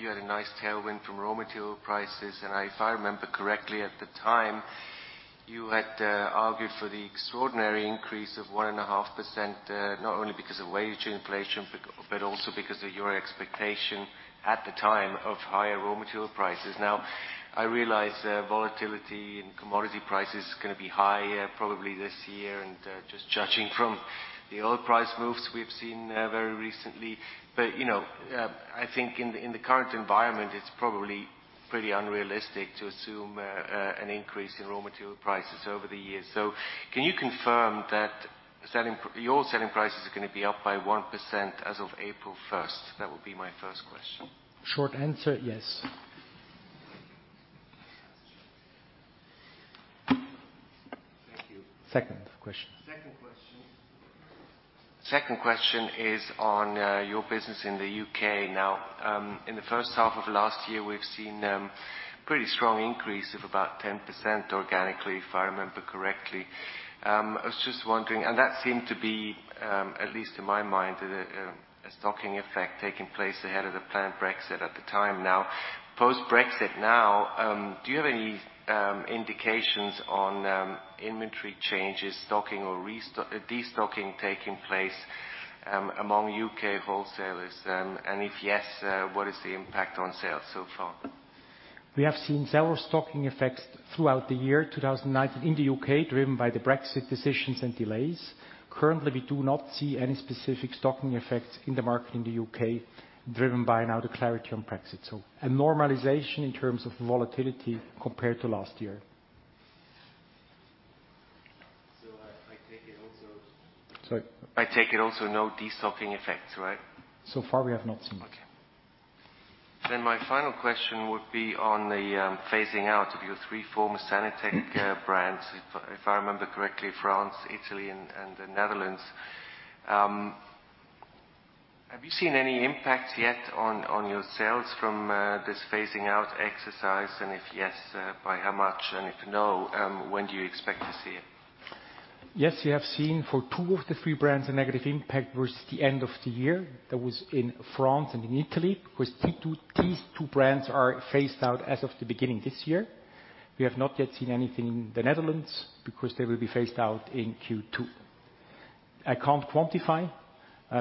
you had a nice tailwind from raw material prices, and if I remember correctly at the time, you had argued for the extraordinary increase of 1.5%, not only because of wage inflation, but also because of your expectation at the time of higher raw material prices. Now, I realize volatility in commodity prices is going to be high probably this year, and just judging from the oil price moves we've seen very recently. I think in the current environment, it's probably pretty unrealistic to assume an increase in raw material prices over the years. Can you confirm that your selling prices are going to be up by 1% as of April 1st? That would be my first question. Short answer, yes. Thank you. Second question. Second question is on your business in the U.K. In the first half of last year, we've seen pretty strong increase of about 10% organically, if I remember correctly. I was just wondering, that seemed to be, at least in my mind, a stocking effect taking place ahead of the planned Brexit at the time now. Post-Brexit now, do you have any indications on inventory changes, stocking or de-stocking taking place among U.K. wholesalers? If yes, what is the impact on sales so far? We have seen several stocking effects throughout the year 2019 in the U.K., driven by the Brexit decisions and delays. Currently, we do not see any specific stocking effects in the market in the U.K., driven by now the clarity on Brexit. A normalization in terms of volatility compared to last year. So I take it also. Sorry? I take it also no de-stocking effects, right? Far we have not seen. Okay. My final question would be on the phasing out of your three former Sanitec brands, if I remember correctly, France, Italy, and the Netherlands. Have you seen any impact yet on your sales from this phasing out exercise? If yes, by how much? If no, when do you expect to see it? Yes, we have seen for two of the three brands, a negative impact towards the end of the year. That was in France and in Italy, because these two brands are phased out as of the beginning this year. We have not yet seen anything in the Netherlands because they will be phased out in Q2. I can't quantify,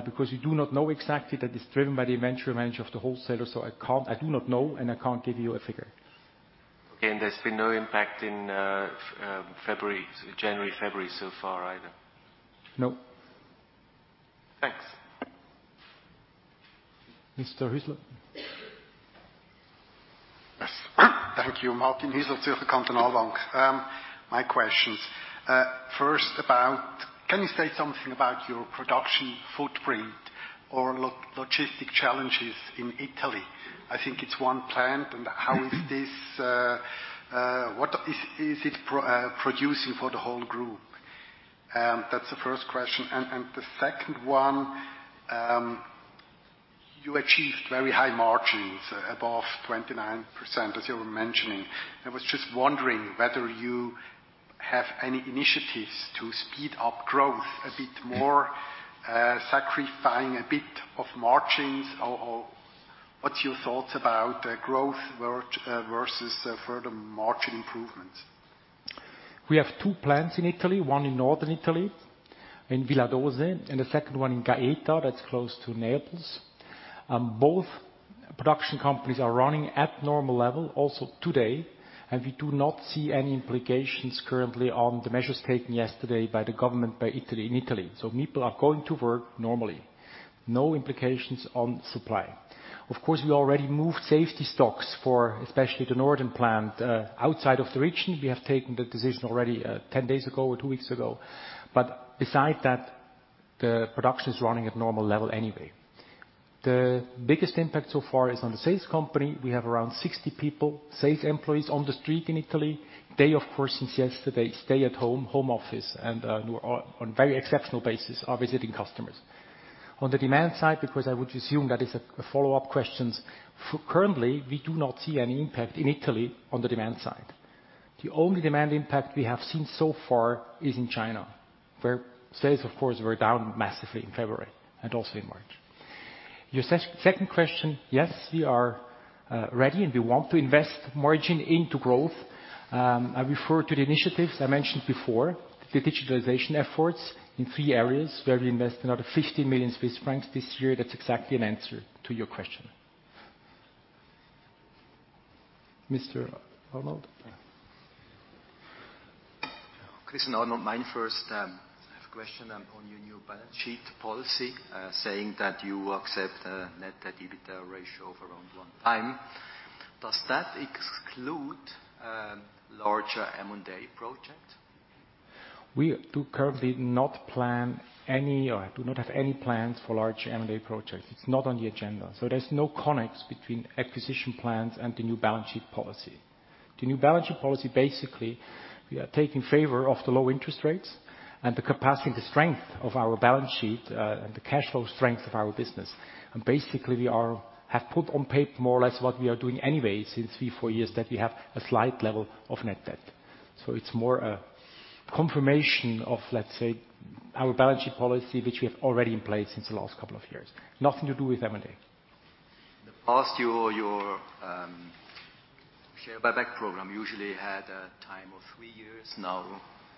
because we do not know exactly that it's driven by the inventory management of the wholesaler, so I do not know, and I can't give you a figure. There's been no impact in January, February so far either? No. Thanks. Mr. Hüsler. Yes. Thank you. Martin Hüsler, Zürcher Kantonalbank. My questions. First, can you say something about your production footprint or logistic challenges in Italy? I think it is one plant. What is it producing for the whole group? That is the first question. The second one, you achieved very high margins, above 29%, as you were mentioning. I was just wondering whether you have any initiatives to speed up growth a bit more, sacrificing a bit of margins, or what is your thoughts about growth versus further margin improvements? We have two plants in Italy, one in Northern Italy in Villadose, and the second one in Gaeta, that's close to Naples. Both production companies are running at normal level also today. We do not see any implications currently on the measures taken yesterday by the government in Italy. People are going to work normally. No implications on supply. Of course, we already moved safety stocks for especially the Northern plant outside of the region. We have taken the decision already 10 days ago or two weeks ago. Besides that, the production is running at normal level anyway. The biggest impact so far is on the sales company. We have around 60 people, sales employees on the street in Italy. They, of course, since yesterday, stay at home office, on very exceptional basis, are visiting customers. On the demand side, because I would assume that is a follow-up questions, currently, we do not see any impact in Italy on the demand side. The only demand impact we have seen so far is in China, where sales, of course, were down massively in February and also in March. Your second question, yes, we are ready. We want to invest margin into growth. I refer to the initiatives I mentioned before, the digitalization efforts in three areas where we invest another 50 million Swiss francs this year. That's exactly an answer to your question. Mr. Arnold? Thank you. Christian Arnold, my first question on your new balance sheet policy, saying that you accept net debt ratio of around one time. Does that exclude larger M&A project? We do currently not plan any, do not have any plans for large M&A projects. It's not on the agenda. There's no connects between acquisition plans and the new balance sheet policy. The new balance sheet policy, basically, we are taking favor of the low interest rates and the capacity and the strength of our balance sheet, and the cash flow strength of our business. Basically, we have put on paper more or less what we are doing anyway since three, four years, that we have a slight level of net debt. It's more a confirmation of, let's say, our balance sheet policy, which we have already in place since the last couple of years. Nothing to do with M&A. In the past year, your share buyback program usually had a time of three years. Now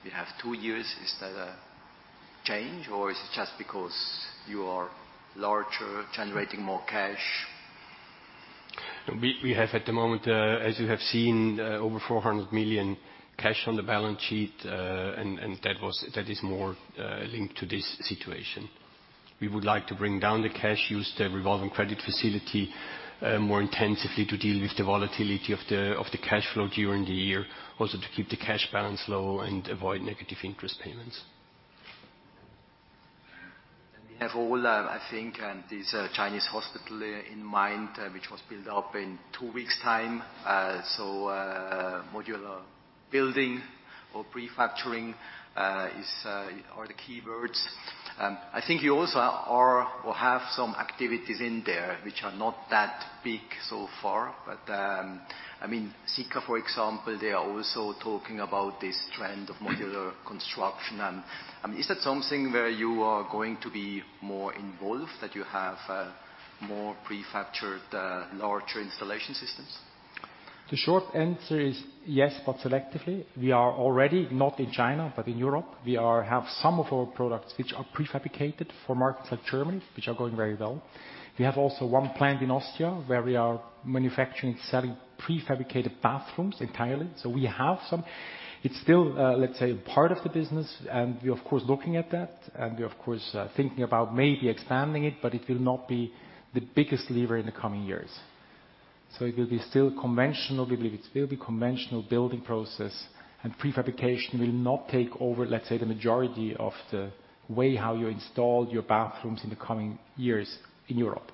you have two years. Is that a change, or is it just because you are larger, generating more cash? We have at the moment, as you have seen, over 400 million cash on the balance sheet, and that is more linked to this situation. We would like to bring down the cash use, the revolving credit facility more intensively to deal with the volatility of the cash flow during the year, also to keep the cash balance low and avoid negative interest payments. We have all, I think, this Chinese hospital in mind, which was built up in two weeks time. Modular building or prefabricating are the key words. I think you also are or have some activities in there which are not that big so far. Sika, for example, they are also talking about this trend of modular construction. Is that something where you are going to be more involved, that you have more prefabricated larger installation systems? The short answer is yes, but selectively. We are already, not in China, but in Europe, we have some of our products which are prefabricated for markets like Germany, which are going very well. We have also one plant in Austria where we are manufacturing, selling prefabricated bathrooms entirely. We have some. It's still, let's say, part of the business, and we of course, looking at that, and we, of course, thinking about maybe expanding it, but it will not be the biggest lever in the coming years. It will be conventional building process, and prefabrication will not take over, let's say, the majority of the way how you install your bathrooms in the coming years in Europe.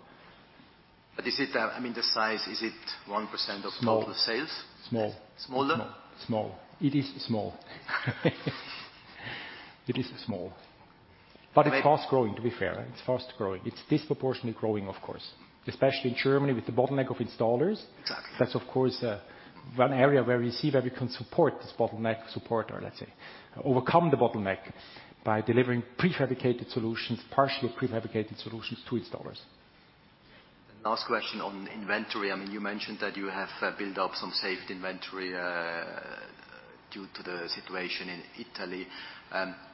I mean, the size, is it 1% of total sales? Small. Smaller? Small. It is small. It's fast-growing, to be fair. It's fast-growing. It's disproportionately growing, of course, especially in Germany with the bottleneck of installers. Exactly. That's of course, one area where we see where we can support this bottleneck. Support or let's say, overcome the bottleneck by delivering prefabricated solutions, partially prefabricated solutions to installers. Last question on inventory. You mentioned that you have built up some safety inventory due to the situation in Italy.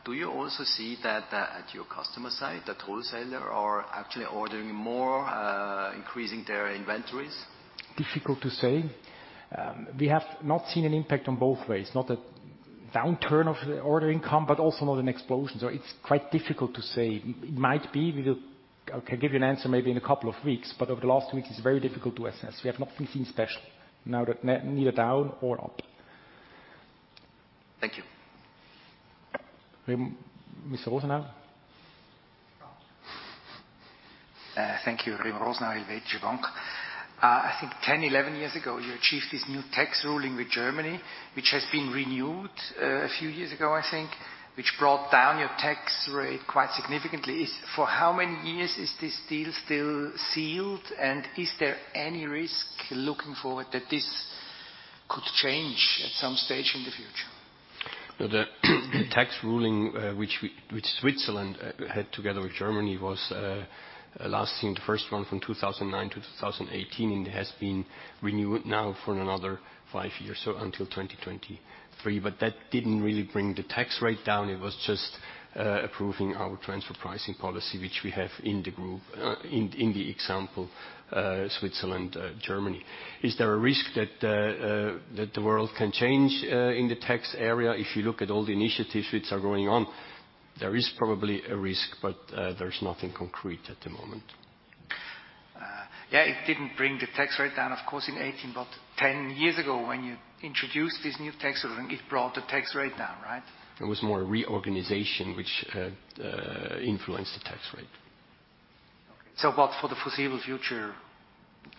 Do you also see that at your customer side, the wholesaler are actually ordering more, increasing their inventories? Difficult to say. We have not seen an impact on both ways, not a downturn of the ordering income, but also not an explosion. It's quite difficult to say. It might be. I can give you an answer maybe in a couple of weeks, but over the last week it's very difficult to assess. We have not seen special, neither down or up. Thank you. Mr. Rosenau? Thank you. Remo Rosenau, Helvetische Bank. I think 10, 11 years ago, you achieved this new tax ruling with Germany, which has been renewed a few years ago, I think, which brought down your tax rate quite significantly. For how many years is this deal still sealed, and is there any risk looking forward that this could change at some stage in the future? The tax ruling, which Switzerland had together with Germany was last seen, the first one from 2009 to 2018, and it has been renewed now for another five years, so until 2023. That didn't really bring the tax rate down. It was just approving our transfer pricing policy, which we have in the group, in the example, Switzerland, Germany. Is there a risk that the world can change in the tax area? If you look at all the initiatives which are going on, there is probably a risk, but there's nothing concrete at the moment. Yeah. It didn't bring the tax rate down, of course, in 2018, but 10 years ago, when you introduced this new tax, it brought the tax rate down. Right? It was more reorganization, which influenced the tax rate. Okay. But for the foreseeable future,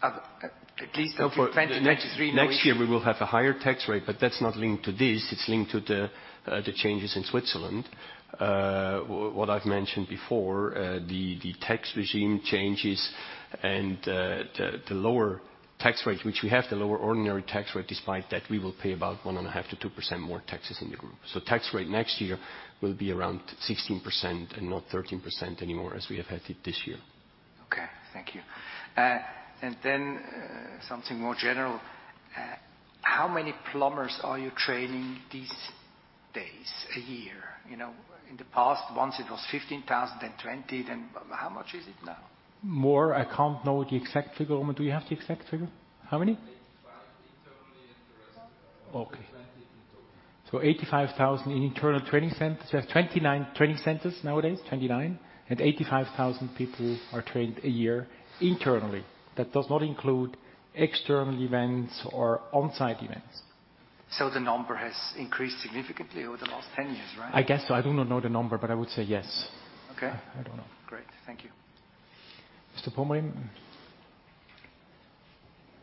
at least until 2023. Next year, we will have a higher tax rate, but that's not linked to this. It's linked to the changes in Switzerland. What I've mentioned before, the tax regime changes and the lower tax rate, which we have, the lower ordinary tax rate, despite that we will pay about 1.5% to 2% more taxes in the group. Tax rate next year will be around 16% and not 13% anymore as we have had it this year. Okay. Thank you. Then something more general. How many plumbers are you training these days, a year? In the past, once it was 15,000, then 20. How much is it now? More. I can't know the exact figure. Remo, do you have the exact figure? How many? 85 internally and the rest. Okay. 85,000 in internal training centers. We have 29 training centers nowadays. 29, 85,000 people are trained a year internally. That does not include external events or on-site events. The number has increased significantly over the last 10 years, right? I guess so. I do not know the number, but I would say yes. Okay. I don't know. Great. Thank you. Mr. Pomrehn.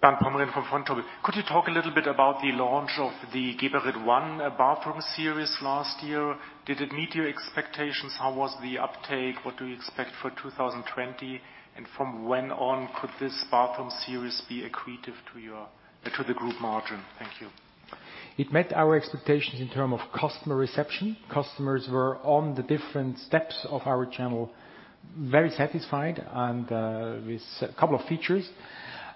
Bernd Pomrehn from Vontobel. Could you talk a little bit about the launch of the Geberit ONE bathroom series last year? Did it meet your expectations? How was the uptake? What do you expect for 2020? From when on could this bathroom series be accretive to the group margin? Thank you. It met our expectations in terms of customer reception. Customers were on the different steps of our channel, very satisfied, and with a couple of features.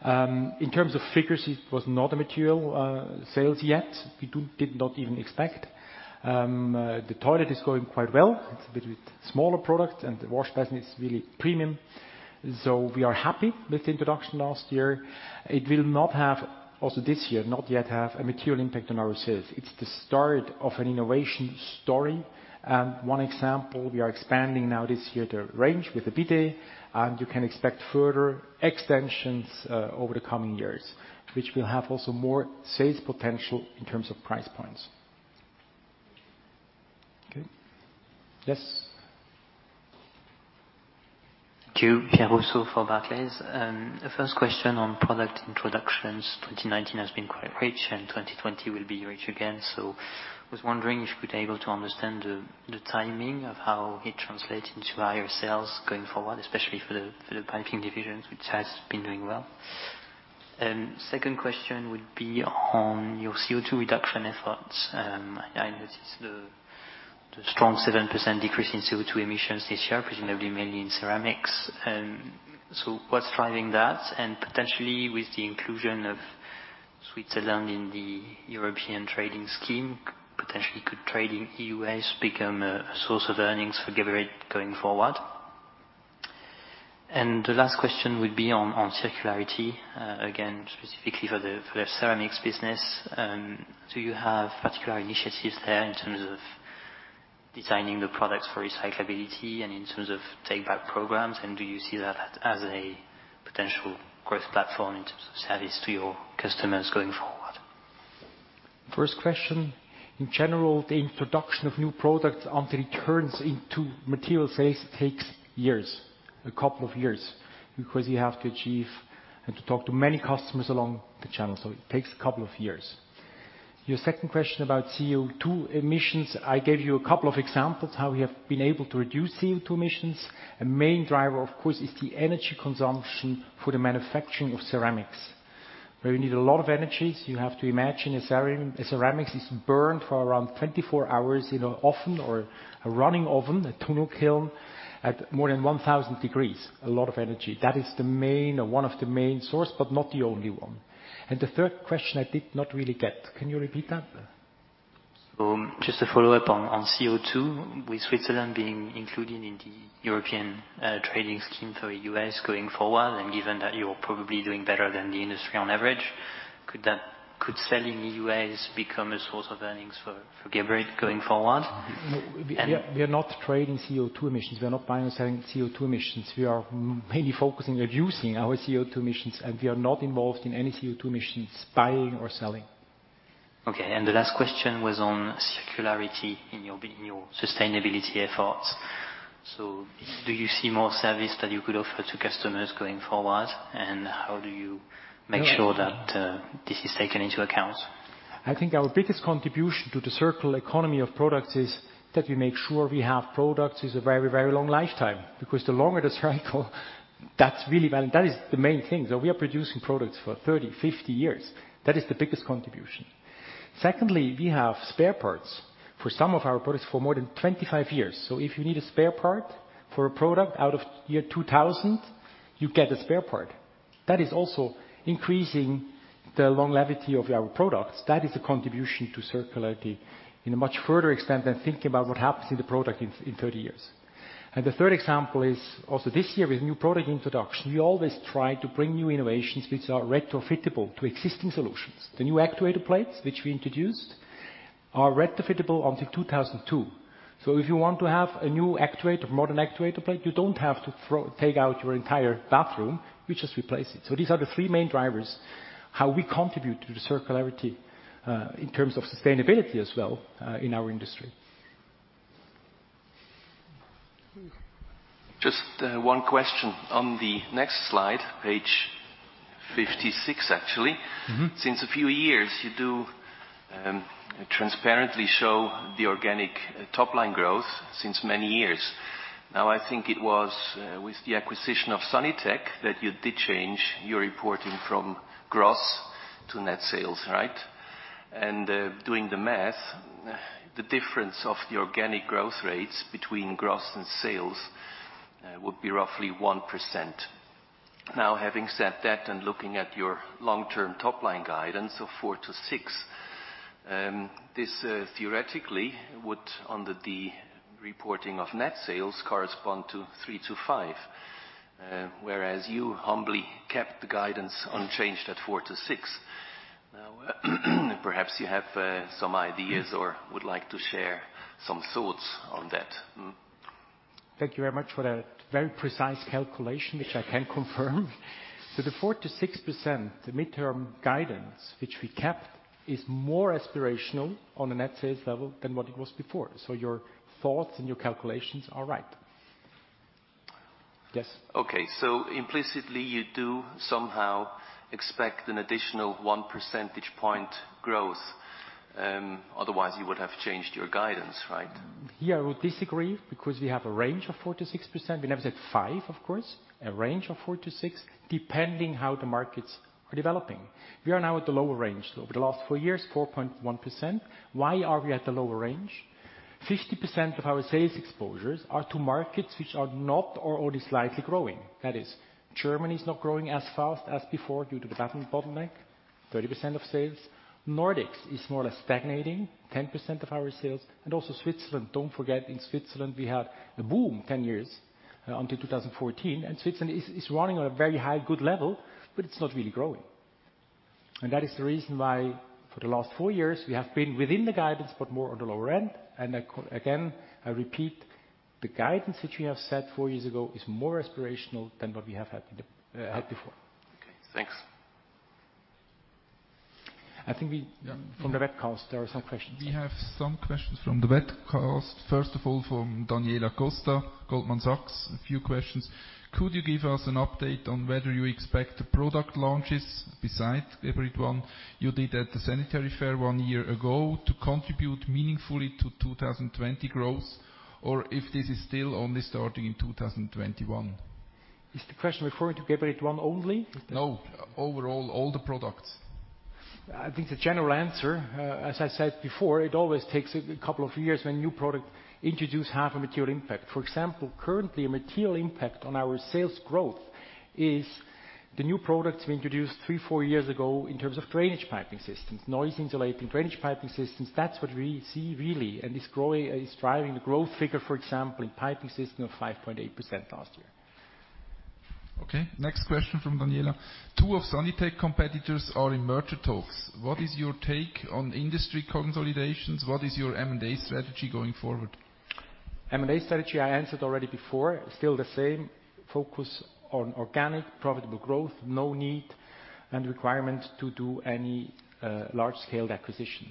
In terms of figures, it was not a material sales yet. We did not even expect. The toilet is going quite well. It's a bit of a smaller product, and the washbasin is really premium. We are happy with the introduction last year. It will not have, also this year, not yet have a material impact on our sales. It's the start of an innovation story. One example, we are expanding now this year the range with the bidet, and you can expect further extensions over the coming years, which will have also more sales potential in terms of price points. Okay. Yes. Thank you. Pierre Rousseau for Barclays. The first question on product introductions. 2019 has been quite rich. 2020 will be rich again. I was wondering if you could able to understand the timing of how it translates into higher sales going forward, especially for the piping division, which has been doing well. Second question would be on your CO2 reduction efforts. I noticed the strong 7% decrease in CO2 emissions this year, presumably mainly in ceramics. What's driving that? Potentially with the inclusion of Switzerland in the European trading scheme, potentially could trade in EUAs become a source of earnings for Geberit going forward? The last question would be on circularity, again, specifically for the ceramics business. Do you have particular initiatives there in terms of designing the products for recyclability and in terms of take-back programs, and do you see that as a potential growth platform in terms of service to your customers going forward? First question, in general, the introduction of new products until it turns into material sales takes years, a couple of years. Because you have to achieve and to talk to many customers along the channel. It takes a couple of years. Your second question about CO2 emissions, I gave you a couple of examples how we have been able to reduce CO2 emissions. A main driver, of course, is the energy consumption for the manufacturing of ceramics, where you need a lot of energies. You have to imagine, ceramics is burned for around 24 hours in a oven or a running oven, a tunnel kiln, at more than 1,000 degrees. A lot of energy. That is the main or one of the main source, but not the only one. The third question I did not really get. Can you repeat that? Just a follow-up on CO2, with Switzerland being included in the European trading scheme for EUAs going forward, and given that you're probably doing better than the industry on average, could selling EUAs become a source of earnings for Geberit going forward? We are not trading CO2 emissions. We are not buying and selling CO2 emissions. We are mainly focusing on reducing our CO2 emissions. We are not involved in any CO2 emissions buying or selling. Okay. The last question was on circularity in your sustainability efforts. Do you see more service that you could offer to customers going forward? How do you make sure that this is taken into account? I think our biggest contribution to the circle economy of products is that we make sure we have products with a very, very long lifetime, because the longer the cycle That is the main thing. We are producing products for 30, 50 years. That is the biggest contribution. Secondly, we have spare parts for some of our products for more than 25 years. If you need a spare part for a product out of year 2000, you get a spare part. That is also increasing the longevity of our products. That is a contribution to circularity in a much further extent than thinking about what happens to the product in 30 years. The third example is also this year with new product introduction, we always try to bring new innovations which are retrofittable to existing solutions. The new actuator plates, which we introduced, are retrofittable until 2002. If you want to have a new actuator, modern actuator plate, you don't have to take out your entire bathroom. You just replace it. These are the three main drivers, how we contribute to the circularity, in terms of sustainability as well, in our industry. Just one question. On the next slide, page 56, actually. Since a few years, you do transparently show the organic top-line growth since many years. I think it was with the acquisition of Sanitec that you did change your reporting from gross to net sales. Right? Doing the math, the difference of the organic growth rates between gross and sales would be roughly 1%. Having said that, and looking at your long-term top-line guidance of 4%-6%, this theoretically would, under the reporting of net sales, correspond to 3%-5%, whereas you humbly kept the guidance unchanged at 4%-6%. Perhaps you have some ideas or would like to share some thoughts on that. Thank you very much for that very precise calculation, which I can confirm. The 4%-6%, the midterm guidance, which we kept, is more aspirational on a net sales level than what it was before. Your thoughts and your calculations are right. Yes. Okay. implicitly you do somehow expect an additional one percentage point growth, otherwise you would have changed your guidance, right? Here, I would disagree because we have a range of 4%-6%. We never said 5%, of course. A range of 4%-6%, depending how the markets are developing. We are now at the lower range. Over the last four years, 4.1%. Why are we at the lower range? 50% of our sales exposures are to markets which are not or only slightly growing. That is, Germany's not growing as fast as before due to the bathroom bottleneck, 30% of sales. Nordics is more or less stagnating, 10% of our sales. Also Switzerland. Don't forget, in Switzerland, we had a boom 10 years until 2014, and Switzerland is running on a very high, good level, but it's not really growing. That is the reason why, for the last four years, we have been within the guidance, but more on the lower end. Again, I repeat, the guidance which we have set four years ago is more aspirational than what we have had before. Okay, thanks. I think we. Yeah. From the webcast, there are some questions. We have some questions from the webcast. First of all, from Daniela Costa, Goldman Sachs, a few questions. Could you give us an update on whether you expect the product launches besides Geberit ONE you did at the sanitary fair one year ago to contribute meaningfully to 2020 growth, or if this is still only starting in 2021? Is the question referring to Geberit ONE only? No. Overall, all the products. I think the general answer, as I said before, it always takes a couple of years when new product introduce have a material impact. For example, currently, a material impact on our sales growth is the new products we introduced three, four years ago in terms of drainage Piping Systems, noise insulating, drainage Piping Systems. That's what we see really, and it's driving the growth figure, for example, in Piping System of 5.8% last year. Okay. Next question from Daniela. Two of Sanitec competitors are in merger talks. What is your take on industry consolidations? What is your M&A strategy going forward? M&A strategy I answered already before, still the same. Focus on organic, profitable growth. No need and requirement to do any large-scale acquisition.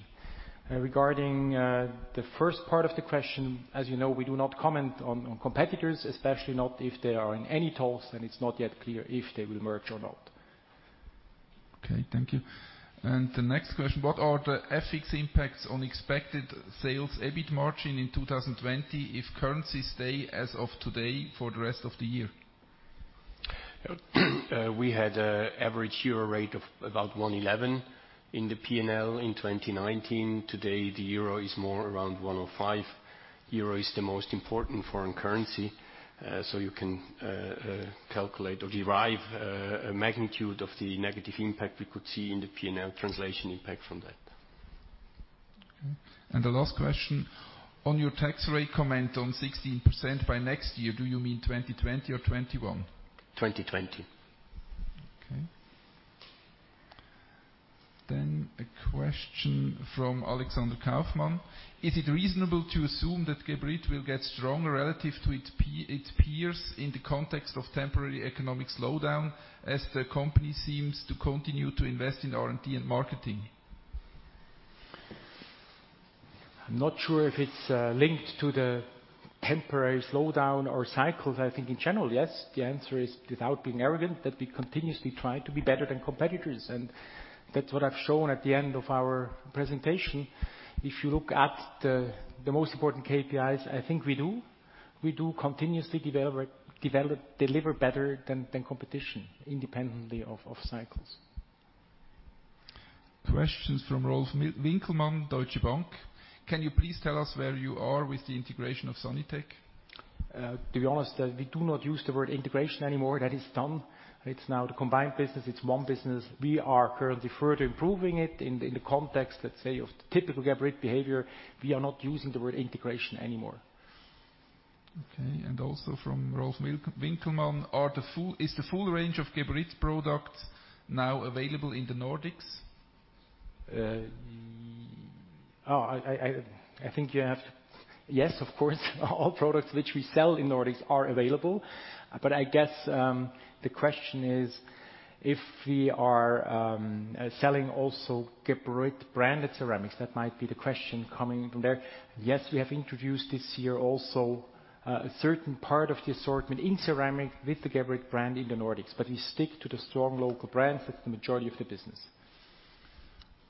Regarding the first part of the question, as you know, we do not comment on competitors, especially not if they are in any talks, and it's not yet clear if they will merge or not. Okay, thank you. The next question, what are the FX impacts on expected sales EBIT margin in 2020 if currencies stay as of today for the rest of the year? We had an average EUR rate of about 111 in the P&L in 2019. Today, the EUR is more around 105. EUR is the most important foreign currency, you can calculate or derive a magnitude of the negative impact we could see in the P&L translation impact from that. Okay. The last question. On your tax rate comment on 16% by next year, do you mean 2020 or 2021? 2020. Okay. A question from Alexander Kaufman. Is it reasonable to assume that Geberit will get stronger relative to its peers in the context of temporary economic slowdown, as the company seems to continue to invest in R&D and marketing? I'm not sure if it's linked to the temporary slowdown or cycles. I think in general, yes. The answer is, without being arrogant, that we continuously try to be better than competitors, and that's what I've shown at the end of our presentation. If you look at the most important KPIs, I think we do. We do continuously deliver better than competition, independently of cycles. Questions from Rolf Winkelmann, Deutsche Bank. Can you please tell us where you are with the integration of Sanitec? To be honest, we do not use the word integration anymore. That is done. It's now the combined business. It's one business. We are currently further improving it in the context, let's say, of typical Geberit behavior. We are not using the word integration anymore. Okay, from Rolf Winkelmann, is the full range of Geberit products now available in the Nordics? Yes, of course, all products which we sell in Nordics are available, but I guess the question is if we are selling also Geberit-branded ceramics. That might be the question coming from there. Yes, we have introduced this year also a certain part of the assortment in ceramic with the Geberit brand in the Nordics, but we stick to the strong local brands with the majority of the business.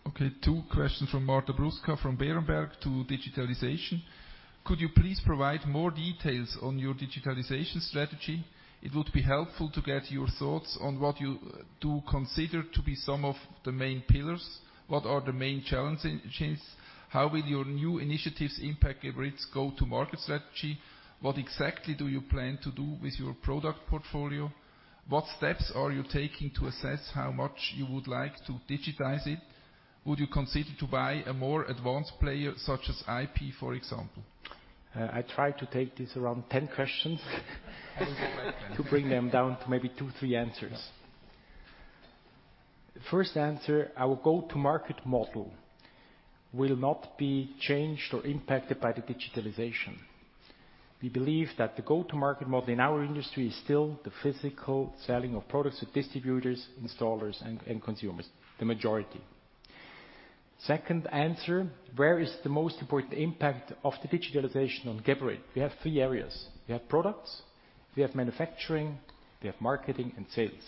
Okay, two questions from Marta Brusca, from Berenberg, to digitalization. Could you please provide more details on your digitalization strategy? It would be helpful to get your thoughts on what you do consider to be some of the main pillars. What are the main challenges? How will your new initiatives impact Geberit's go-to-market strategy? What exactly do you plan to do with your product portfolio? What steps are you taking to assess how much you would like to digitize it? Would you consider to buy a more advanced player such as IP, for example? I try to take these around 10 questions to bring them down to maybe two, three answers. First answer, our go-to-market model will not be changed or impacted by the digitalization. We believe that the go-to-market model in our industry is still the physical selling of products with distributors, installers, and consumers. The majority. Second answer, where is the most important impact of the digitalization on Geberit? We have three areas. We have products, we have manufacturing, we have marketing and sales.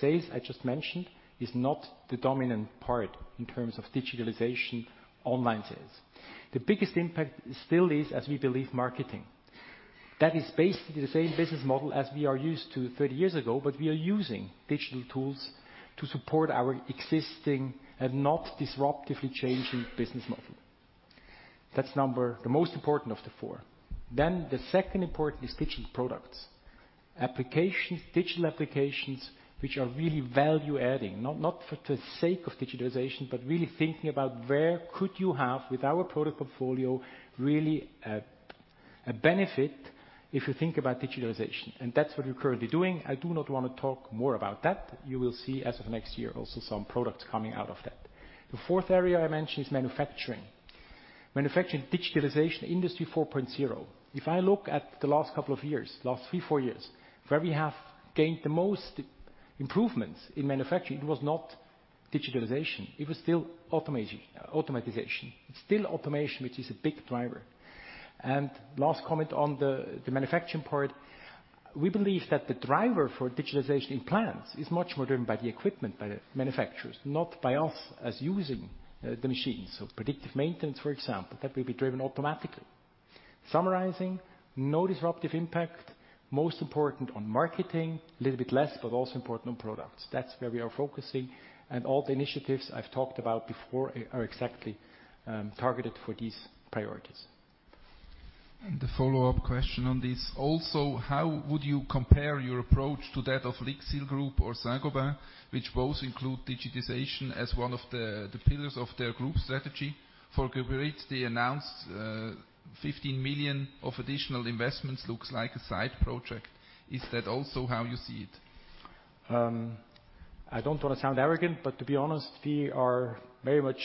Sales, I just mentioned, is not the dominant part in terms of digitalization, online sales. The biggest impact still is, as we believe, marketing. That is basically the same business model as we are used to 30 years ago, but we are using digital tools to support our existing and not disruptively changing business model. That's number the most important of the four. The second important is digital products. Digital applications which are really value-adding, not for the sake of digitalization, but really thinking about where could you have, with our product portfolio, really a benefit if you think about digitalization. That's what we're currently doing. I do not want to talk more about that. You will see as of next year also some products coming out of that. The fourth area I mentioned is manufacturing. Manufacturing, digitalization, Industry 4.0. If I look at the last couple of years, last three, four years, where we have gained the most improvements in manufacturing, it was not digitalization, it was still automatization. It's still automation, which is a big driver. Last comment on the manufacturing part, we believe that the driver for digitalization in plants is much more driven by the equipment manufacturers, not by us as using the machines. Predictive maintenance, for example, that will be driven automatically. Summarizing, no disruptive impact, most important on marketing, little bit less, but also important on products. That's where we are focusing, and all the initiatives I've talked about before are exactly targeted for these priorities. The follow-up question on this also, how would you compare your approach to that of Lixil Group or Saint-Gobain, which both include digitization as one of the pillars of their group strategy? For Geberit, the announced 15 million of additional investments looks like a side project. Is that also how you see it? I don't want to sound arrogant, but to be honest, we are very much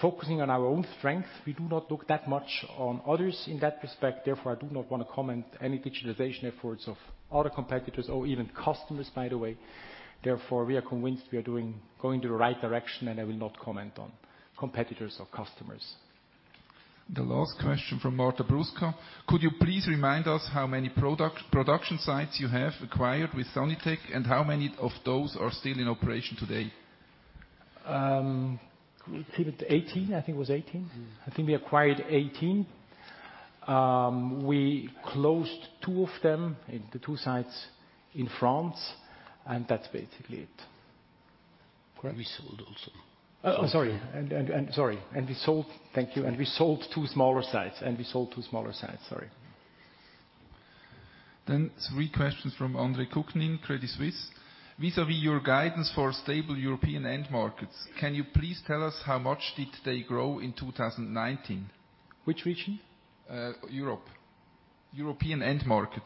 focusing on our own strength. We do not look that much on others in that respect. I do not want to comment any digitalization efforts of other competitors or even customers, by the way. We are convinced we are going to the right direction, and I will not comment on competitors or customers. The last question from Marta Brusca. Could you please remind us how many production sites you have acquired with Sanitec, and how many of those are still in operation today? 80. I think it was 80. I think we acquired 18. We closed two of them, the two sites in France, and that's basically it. Correct? We sold also. Oh, sorry. Thank you. We sold two smaller sites. Sorry. Three questions from Andre Kukhnin, Credit Suisse. Vis-à-vis your guidance for stable European end markets, can you please tell us how much did they grow in 2019? Which region? Europe. European end market.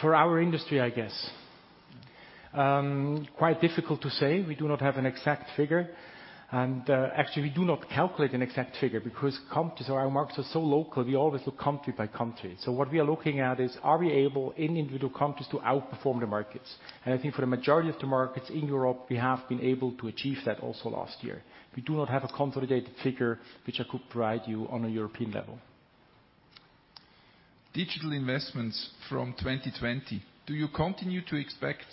For our industry, I guess. Quite difficult to say. We do not have an exact figure. Actually, we do not calculate an exact figure because our markets are so local, we always look country by country. What we are looking at is, are we able, in individual countries, to outperform the markets? I think for the majority of the markets in Europe, we have been able to achieve that also last year. We do not have a consolidated figure which I could provide you on a European level. Digital investments from 2020. Do you continue to expect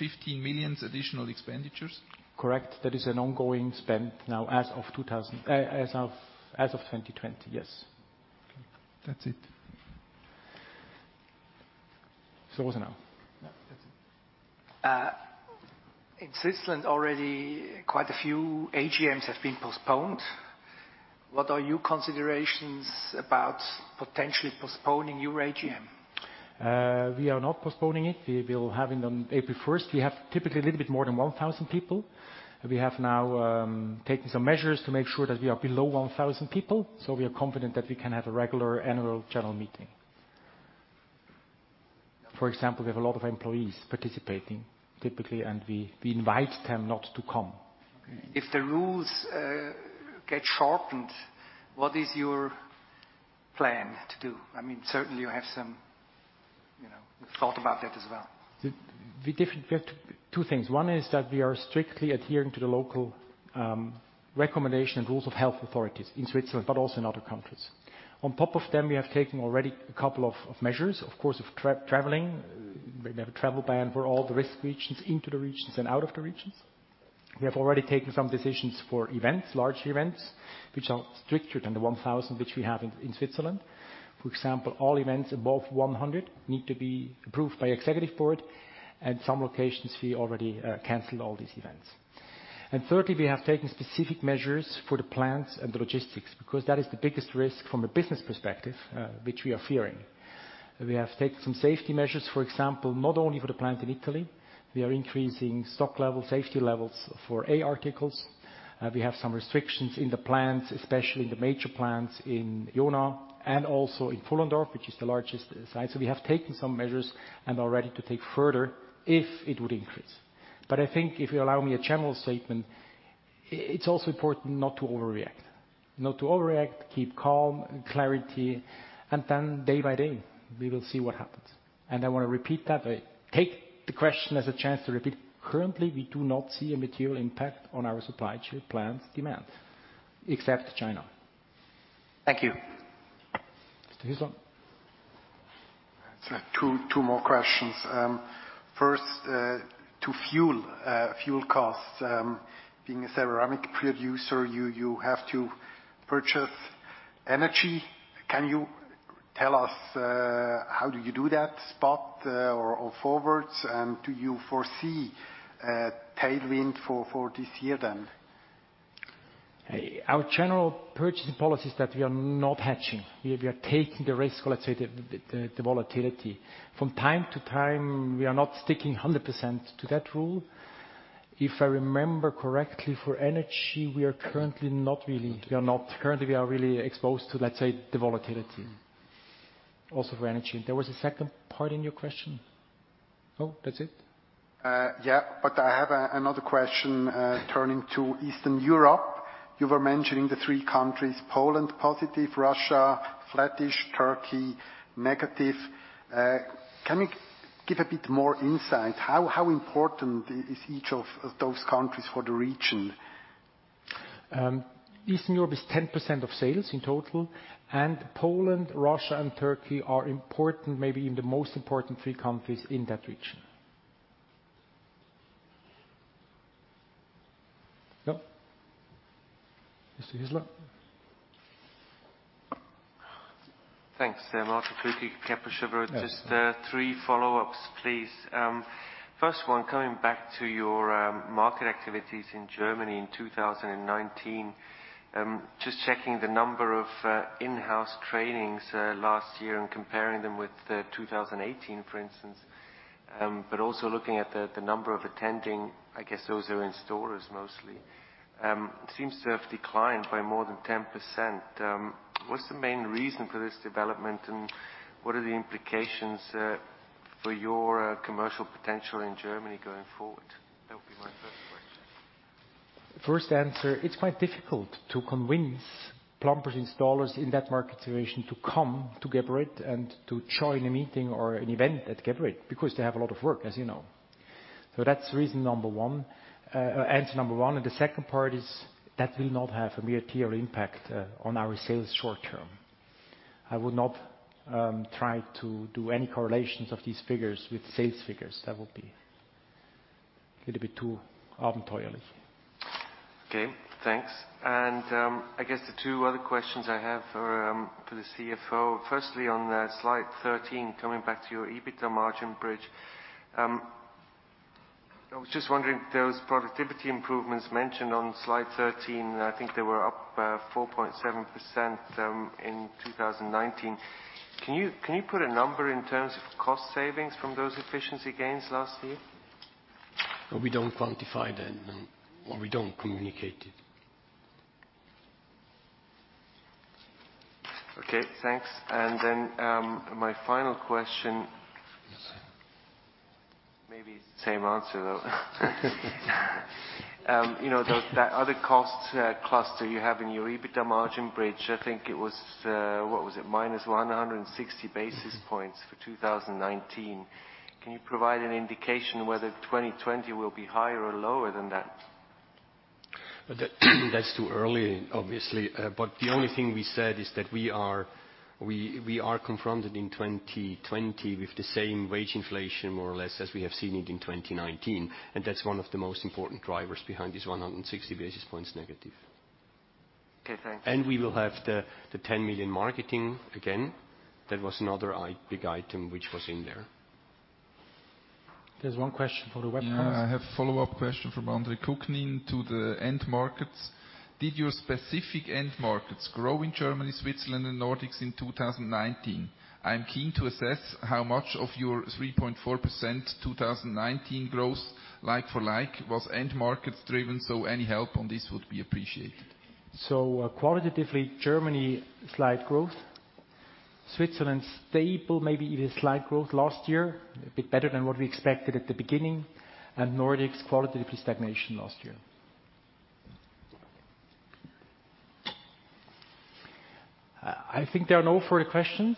15 million additional expenditures? Correct. That is an ongoing spend now as of 2020. Yes. Okay. That's it. Was it now? Yeah, that's it. In Switzerland, already quite a few AGMs have been postponed. What are your considerations about potentially postponing your AGM? We are not postponing it. We will have it on April 1st. We have typically a little bit more than 1,000 people. We have now taken some measures to make sure that we are below 1,000 people. We are confident that we can have a regular annual general meeting. For example, we have a lot of employees participating typically. We invite them not to come. If the rules get sharpened, what is your plan to do? Certainly, you have some thought about that as well. We have two things. One is that we are strictly adhering to the local recommendation and rules of health authorities in Switzerland, but also in other countries. On top of them, we have taken already a couple of measures, of course, of traveling. We have a travel ban for all the risk regions into the regions and out of the regions. We have already taken some decisions for events, large events, which are stricter than the 1,000 which we have in Switzerland. For example, all events above 100 need to be approved by Executive Board, at some locations we already canceled all these events. Thirdly, we have taken specific measures for the plants and the logistics, because that is the biggest risk from a business perspective, which we are fearing. We have taken some safety measures, for example, not only for the plant in Italy. We are increasing stock level, safety levels for A articles. We have some restrictions in the plants, especially in the major plants in Jona and also in Pfullendorf, which is the largest site. We have taken some measures and are ready to take further if it would increase. I think if you allow me a general statement, it's also important not to overreact. Not to overreact, keep calm and clarity, and then day by day, we will see what happens. I want to repeat that. I take the question as a chance to repeat. Currently, we do not see a material impact on our supply chain plans demand, except China. Thank you. Mr. Hüsler. Two more questions. First, to fuel costs. Being a ceramic producer, you have to purchase energy. Can you tell us how do you do that, spot or forwards? Do you foresee a tailwind for this year then? Our general purchasing policy is that we are not hedging. We are taking the risk, let's say, the volatility. From time to time, we are not sticking 100% to that rule. If I remember correctly, for energy, we are currently really exposed to, let's say, the volatility also for energy. There was a second part in your question? Oh, that's it? Yeah. I have another question, turning to Eastern Europe. You were mentioning the three countries, Poland, positive, Russia, flattish, Turkey, negative. Can you give a bit more insight? How important is each of those countries for the region? Eastern Europe is 10% of sales in total. Poland, Russia, and Turkey are important, maybe the most important three countries in that region. Yep. Mr. Hüsler. Thanks. Martin Flückiger, Kepler Cheuvreux. Just three follow-ups, please. First one, coming back to your market activities in Germany in 2019. Just checking the number of in-house trainings last year and comparing them with 2018, for instance, but also looking at the number of attending, I guess those are in stores mostly. It seems to have declined by more than 10%. What's the main reason for this development, and what are the implications for your commercial potential in Germany going forward? That would be my first question. First answer, it's quite difficult to convince plumbers, installers in that market situation to come to Geberit and to join a meeting or an event at Geberit because they have a lot of work, as you know. That's reason number 1, answer number 1. The second part is that will not have a material impact on our sales short term. I would not try to do any correlations of these figures with sales figures. That would be a little bit too. Okay, thanks. I guess the two other questions I have are for the CFO. Firstly, on slide 13, coming back to your EBITDA margin bridge. I was just wondering if those productivity improvements mentioned on slide 13, I think they were up 4.7% in 2019. Can you put a number in terms of cost savings from those efficiency gains last year? We don't quantify them. We don't communicate it. Okay, thanks. My final question, maybe it's the same answer, though. That other cost cluster you have in your EBITDA margin bridge, I think it was, what was it, minus 160 basis points for 2019. Can you provide an indication whether 2020 will be higher or lower than that? That's too early, obviously. The only thing we said is that we are confronted in 2020 with the same wage inflation, more or less, as we have seen it in 2019, and that's one of the most important drivers behind this 160 basis points negative. Okay, thanks. We will have the 10 million marketing again. That was another big item which was in there. There's one question for the webcast. I have a follow-up question from Andre Kukhnin to the end markets. Did your specific end markets grow in Germany, Switzerland, and Nordics in 2019? I am keen to assess how much of your 3.4% 2019 growth like for like was end markets driven. Any help on this would be appreciated. Qualitatively, Germany, slight growth. Switzerland, stable, maybe even slight growth last year, a bit better than what we expected at the beginning, and Nordics, qualitatively stagnation last year. I think there are no further questions.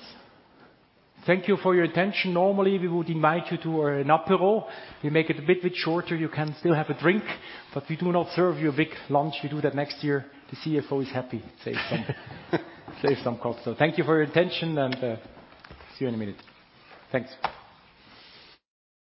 Thank you for your attention. Normally, we would invite you to an apéro. We make it a little bit shorter. You can still have a drink, but we do not serve you a big lunch. We do that next year. The CFO is happy, save some costs. Thank you for your attention, and see you in a minute. Thanks.